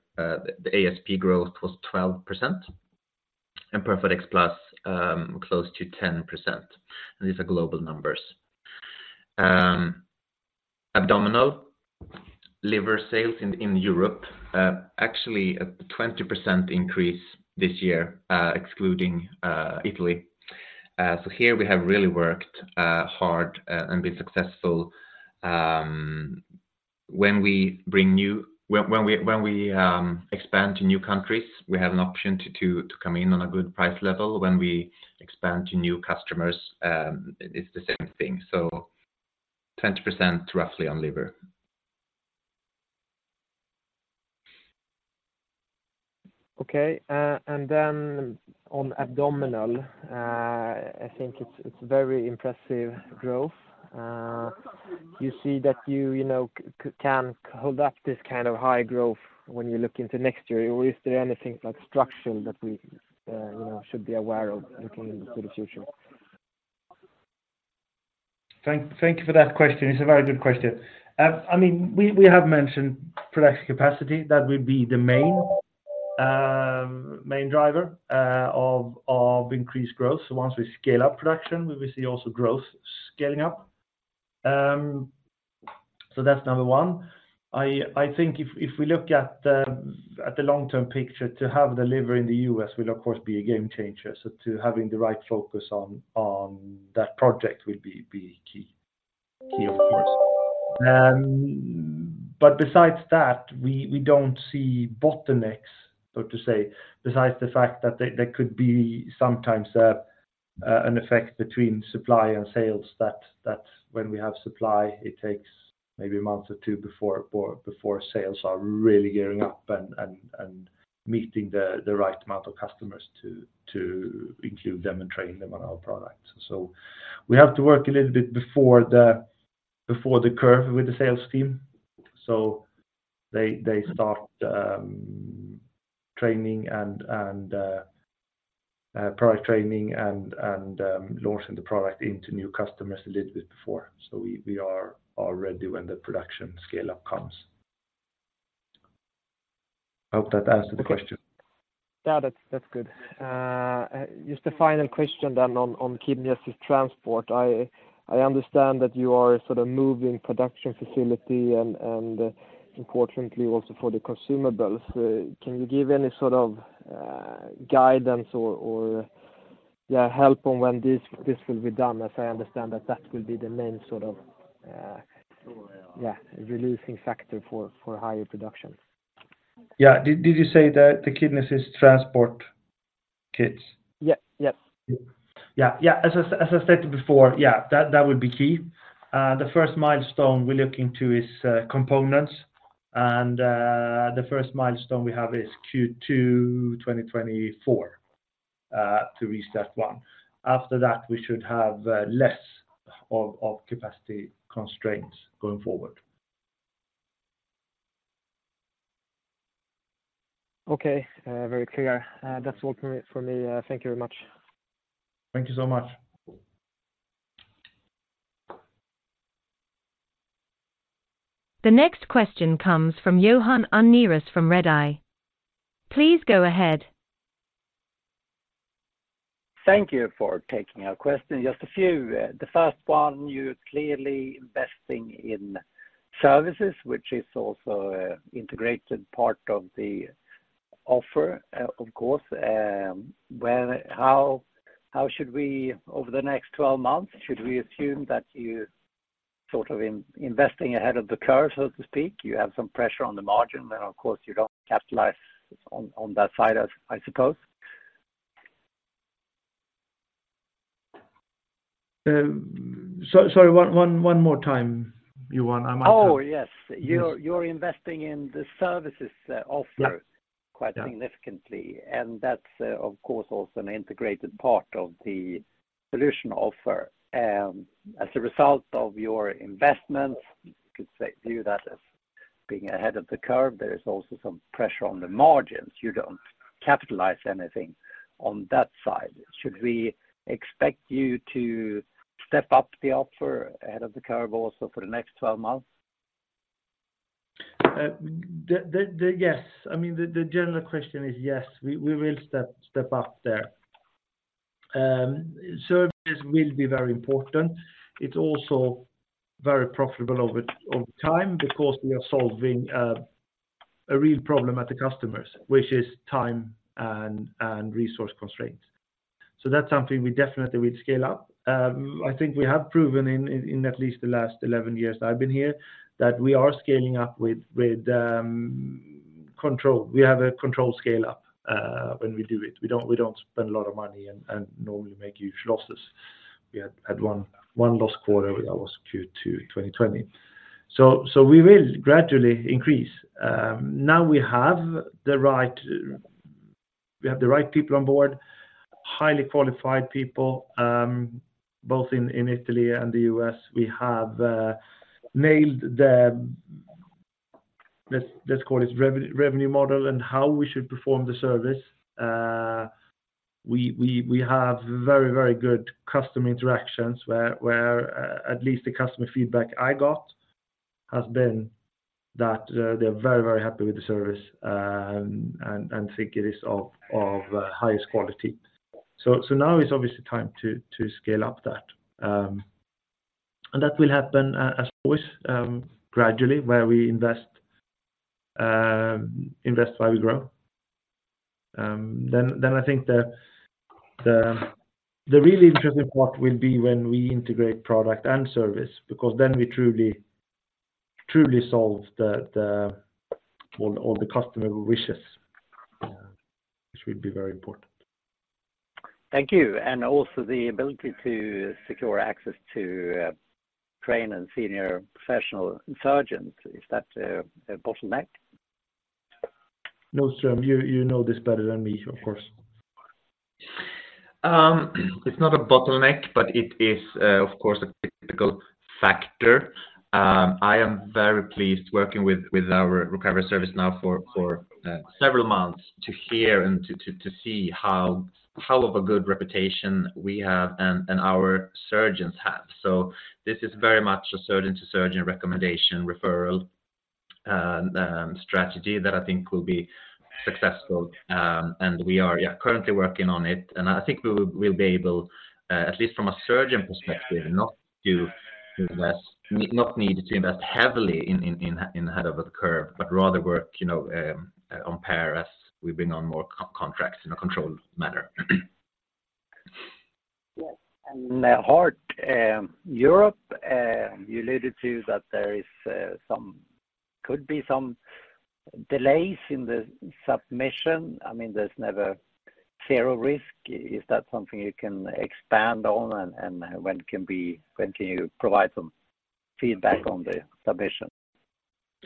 the ASP growth was 12%, and PERFADEX Plus, close to 10%, and these are global numbers. Abdominal liver sales in Europe, actually a 20% increase this year, excluding Italy. So here we have really worked hard and been successful. When we expand to new countries, we have an option to come in on a good price level. When we expand to new customers, it's the same thing, so 10%, roughly on liver. Okay, and then on abdominal, I think it's very impressive growth. You see that you can hold up this kind of high growth when you look into next year, or is there anything like structural that we, you know, should be aware of looking into the future? Thank you for that question. It's a very good question. I mean, we have mentioned production capacity. That will be the main driver of increased growth. So once we scale up production, we will see also growth scaling up. So that's number one. I think if we look at the long-term picture, to have the liver in the US will, of course, be a game changer. So to having the right focus on that project will be key, of course. But besides that, we don't see bottlenecks, so to say, besides the fact that there could be sometimes an effect between supply and sales, that when we have supply, it takes maybe a month or two before sales are really gearing up and meeting the right amount of customers to include them and train them on our products. So we have to work a little bit before the curve with the sales team, so they start training and product training and launching the product into new customers a little bit before. So we are all ready when the production scale-up comes. I hope that answers the question. Yeah, that's good. Just a final question then on Kidney Assist Transport. I understand that you are sort of moving production facility and importantly, also for the consumables. Can you give any sort of guidance or yeah, help on when this will be done? As I understand that will be the main sort of yeah, releasing factor for higher production. Yeah. Did you say the Kidney Assist Transport kits? Yep. Yep. Yeah, yeah. As I stated before, yeah, that would be key. The first milestone we're looking to is components, and the first milestone we have is Q2 2024 to reach that one. After that, we should have less of capacity constraints going forward. Okay, very clear. That's all from me, from me. Thank you very much. Thank you so much. The next question comes from Johan Unnérus from Redeye. Please go ahead. Thank you for taking our question. Just a few, the first one, you're clearly investing in services, which is also an integrated part of the offer, of course. Well, how should we over the next 12 months, should we assume that you're sort of investing ahead of the curve, so to speak? You have some pressure on the margin, then, of course, you don't capitalize on that side, as I suppose. Sorry, one more time, Johan, I might have- Oh, yes. You're, you're investing in the services, offer- Yeah... quite significantly, and that's, of course, also an integrated part of the solution offer. As a result of your investment, you could say, view that as being ahead of the curve, there is also some pressure on the margins. You don't capitalize anything on that side. Should we expect you to step up the offer ahead of the curve also for the next 12 months? Yes, I mean, the general question is yes, we will step up there. Services will be very important. It's also very profitable over time because we are solving a real problem at the customers, which is time and resource constraints. So that's something we definitely would scale up. I think we have proven in at least the last 11 years I've been here, that we are scaling up with control. We have a control scale up when we do it. We don't spend a lot of money and normally make huge losses. We had one lost quarter, that was Q2 2020. So we will gradually increase. Now we have the right... We have the right people on board, highly qualified people, both in Italy and the US. We have nailed the, let's call it, revenue model and how we should perform the service. We have very good customer interactions where at least the customer feedback I got has been that they're very happy with the service, and think it is of highest quality. So now it's obviously time to scale up that. And that will happen as always, gradually, where we invest while we grow. Then I think the really interesting part will be when we integrate product and service, because then we truly solve all the customer wishes, which will be very important. Thank you. And also the ability to secure access to trained and senior professional surgeons, is that a bottleneck? No, Nordström, you know this better than me, of course. It's not a bottleneck, but it is, of course, a critical factor. I am very pleased working with our recovery service now for several months to hear and to see how good of a reputation we have and our surgeons have. So this is very much a surgeon-to-surgeon recommendation, referral strategy that I think will be successful. And we are, yeah, currently working on it. And I think we will, we'll be able, at least from a surgeon perspective, not need to invest heavily in ahead of the curve, but rather work, you know, on par as we bring on more contracts in a controlled manner. Yes. And the heart, Europe, you alluded to that there is some could be some delays in the submission. I mean, there's never zero risk. Is that something you can expand on? And when can you provide some feedback on the submission?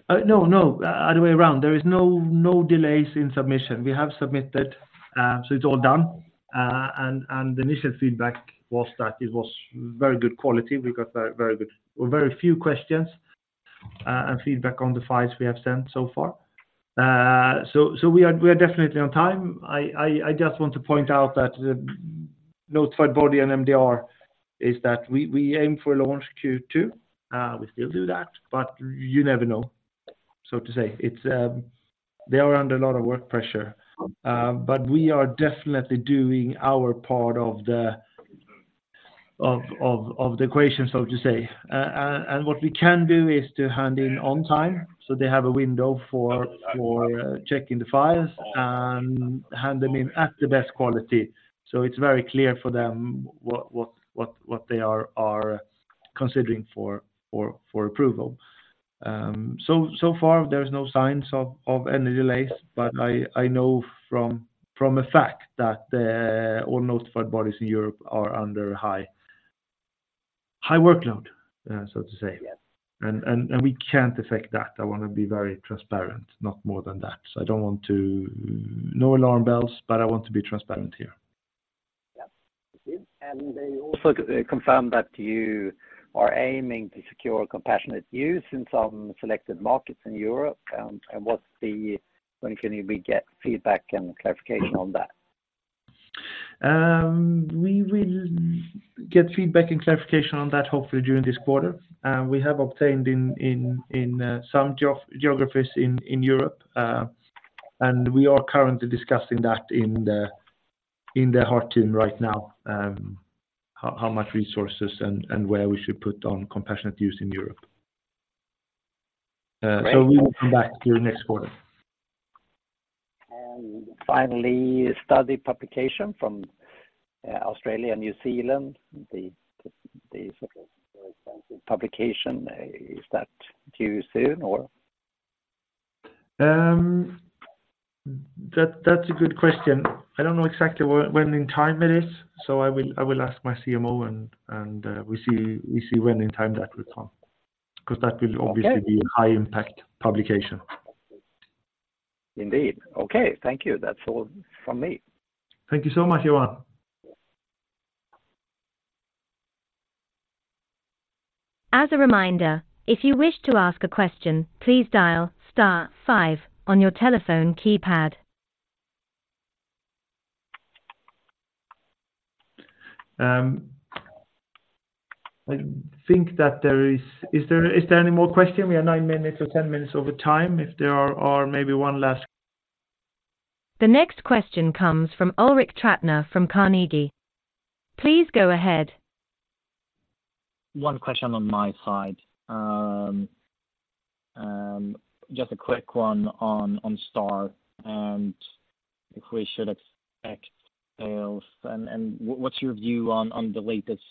No, other way around. There is no delays in submission. We have submitted, so it's all done. And the initial feedback was that it was very good quality. We got very good—or very few questions, and feedback on the files we have sent so far. So we are definitely on time. I just want to point out that the Notified Body and MDR is that we aim for launch Q2. We still do that, but you never know, so to say. It's they are under a lot of work pressure. But we are definitely doing our part of the equation, so to say. What we can do is to hand in on time, so they have a window for checking the files, and hand them in at the best quality. So it's very clear for them what they are considering for approval. So far there's no signs of any delays, but I know from a fact that all Notified Bodies in Europe are under high workload, so to say. Yes. We can't affect that. I want to be very transparent, not more than that. So I don't want to... no alarm bells, but I want to be transparent here. Yes, I see. They also confirmed that you are aiming to secure compassionate use in some selected markets in Europe. When can we get feedback and clarification on that? We will get feedback and clarification on that, hopefully, during this quarter. We have obtained in some geographies in Europe, and we are currently discussing that in the heart team right now, how much resources and where we should put on compassionate use in Europe. Great. We will come back to you next quarter. And finally, study publication from Australia and New Zealand, the publication is that due soon or? That's a good question. I don't know exactly when in time it is, so I will ask my CMO and we see when in time that will come, because that will obviously- Okay... be a high impact publication. Indeed. Okay, thank you. That's all from me. Thank you so much, Johan. As a reminder, if you wish to ask a question, please dial star five on your telephone keypad. I think that there is... Is there, is there any more question? We are 9 minutes or 10 minutes over time. If there are, are maybe one last- The next question comes from Ulrik Trattner from Carnegie. Please go ahead. One question on my side. Just a quick one on STAR, and if we should expect sales, and what's your view on the latest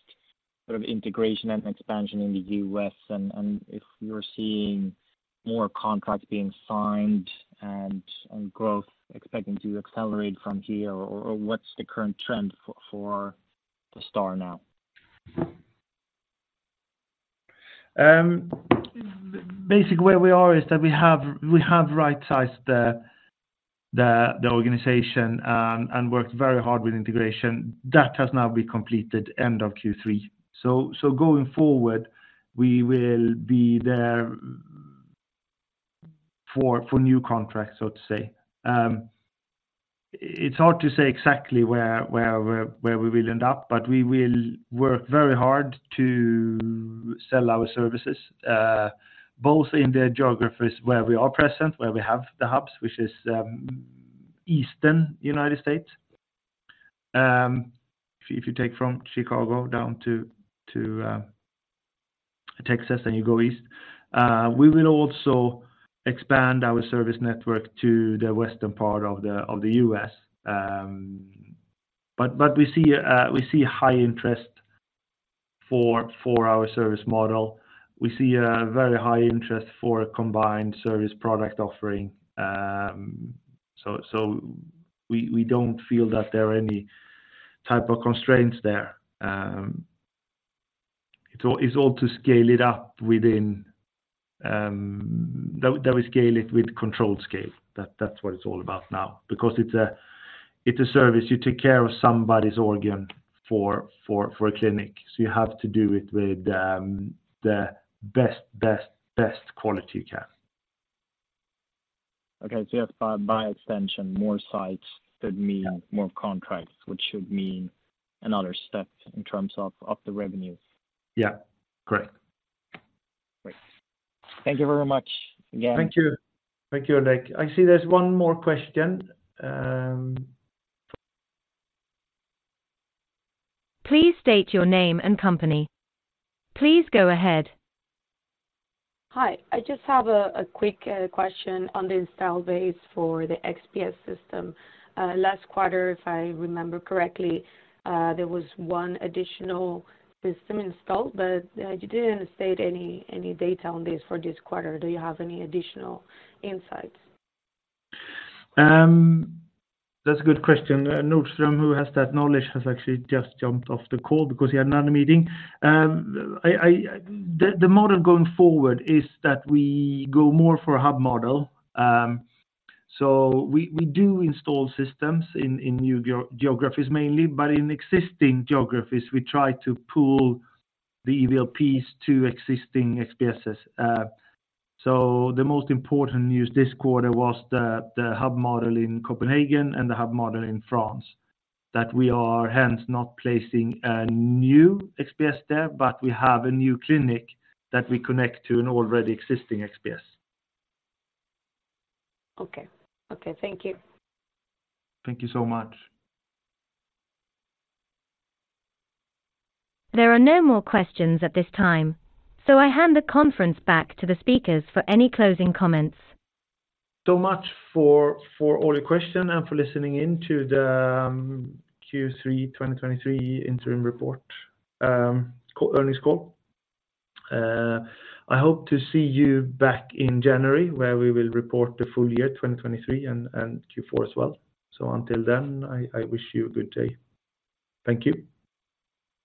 sort of integration and expansion in the U.S., and if you're seeing more contracts being signed and growth expecting to accelerate from here, or what's the current trend for the STAR now?... Basically, where we are is that we have right-sized the organization and worked very hard with integration. That has now been completed end of Q3. So going forward, we will be there for new contracts, so to say. It's hard to say exactly where we will end up, but we will work very hard to sell our services both in the geographies where we are present, where we have the hubs, which is eastern United States. If you take from Chicago down to Texas, and you go east. We will also expand our service network to the western part of the US. But we see high interest for our service model. We see a very high interest for a combined service product offering. So we don't feel that there are any type of constraints there. It's all to scale it up within that we scale it with controlled scale. That's what it's all about now, because it's a service. You take care of somebody's organ for a clinic, so you have to do it with the best quality you can. Okay. So yes, by extension, more sites should mean more contracts, which should mean another step in terms of the revenue. Yeah, correct. Great. Thank you very much again. Thank you. Thank you, Ulrik. I see there's one more question, Please state your name and company. Please go ahead. Hi. I just have a quick question on the installed base for the XPS system. Last quarter, if I remember correctly, there was one additional system installed, but you didn't state any data on this for this quarter. Do you have any additional insights? That's a good question. Nordström, who has that knowledge, has actually just jumped off the call because he had another meeting. The model going forward is that we go more for a hub model. So we do install systems in new geographies mainly, but in existing geographies, we try to pull the EVLPs to existing XPSs. So the most important news this quarter was the hub model in Copenhagen and the hub model in France, that we are hence not placing a new XPS there, but we have a new clinic that we connect to an already existing XPS. Okay. Okay, thank you. Thank you so much. There are no more questions at this time, so I hand the conference back to the speakers for any closing comments. So much for all your questions and for listening in to the Q3 2023 interim report call, earnings call. I hope to see you back in January, where we will report the full year, 2023 and Q4 as well. So until then, I wish you a good day. Thank you.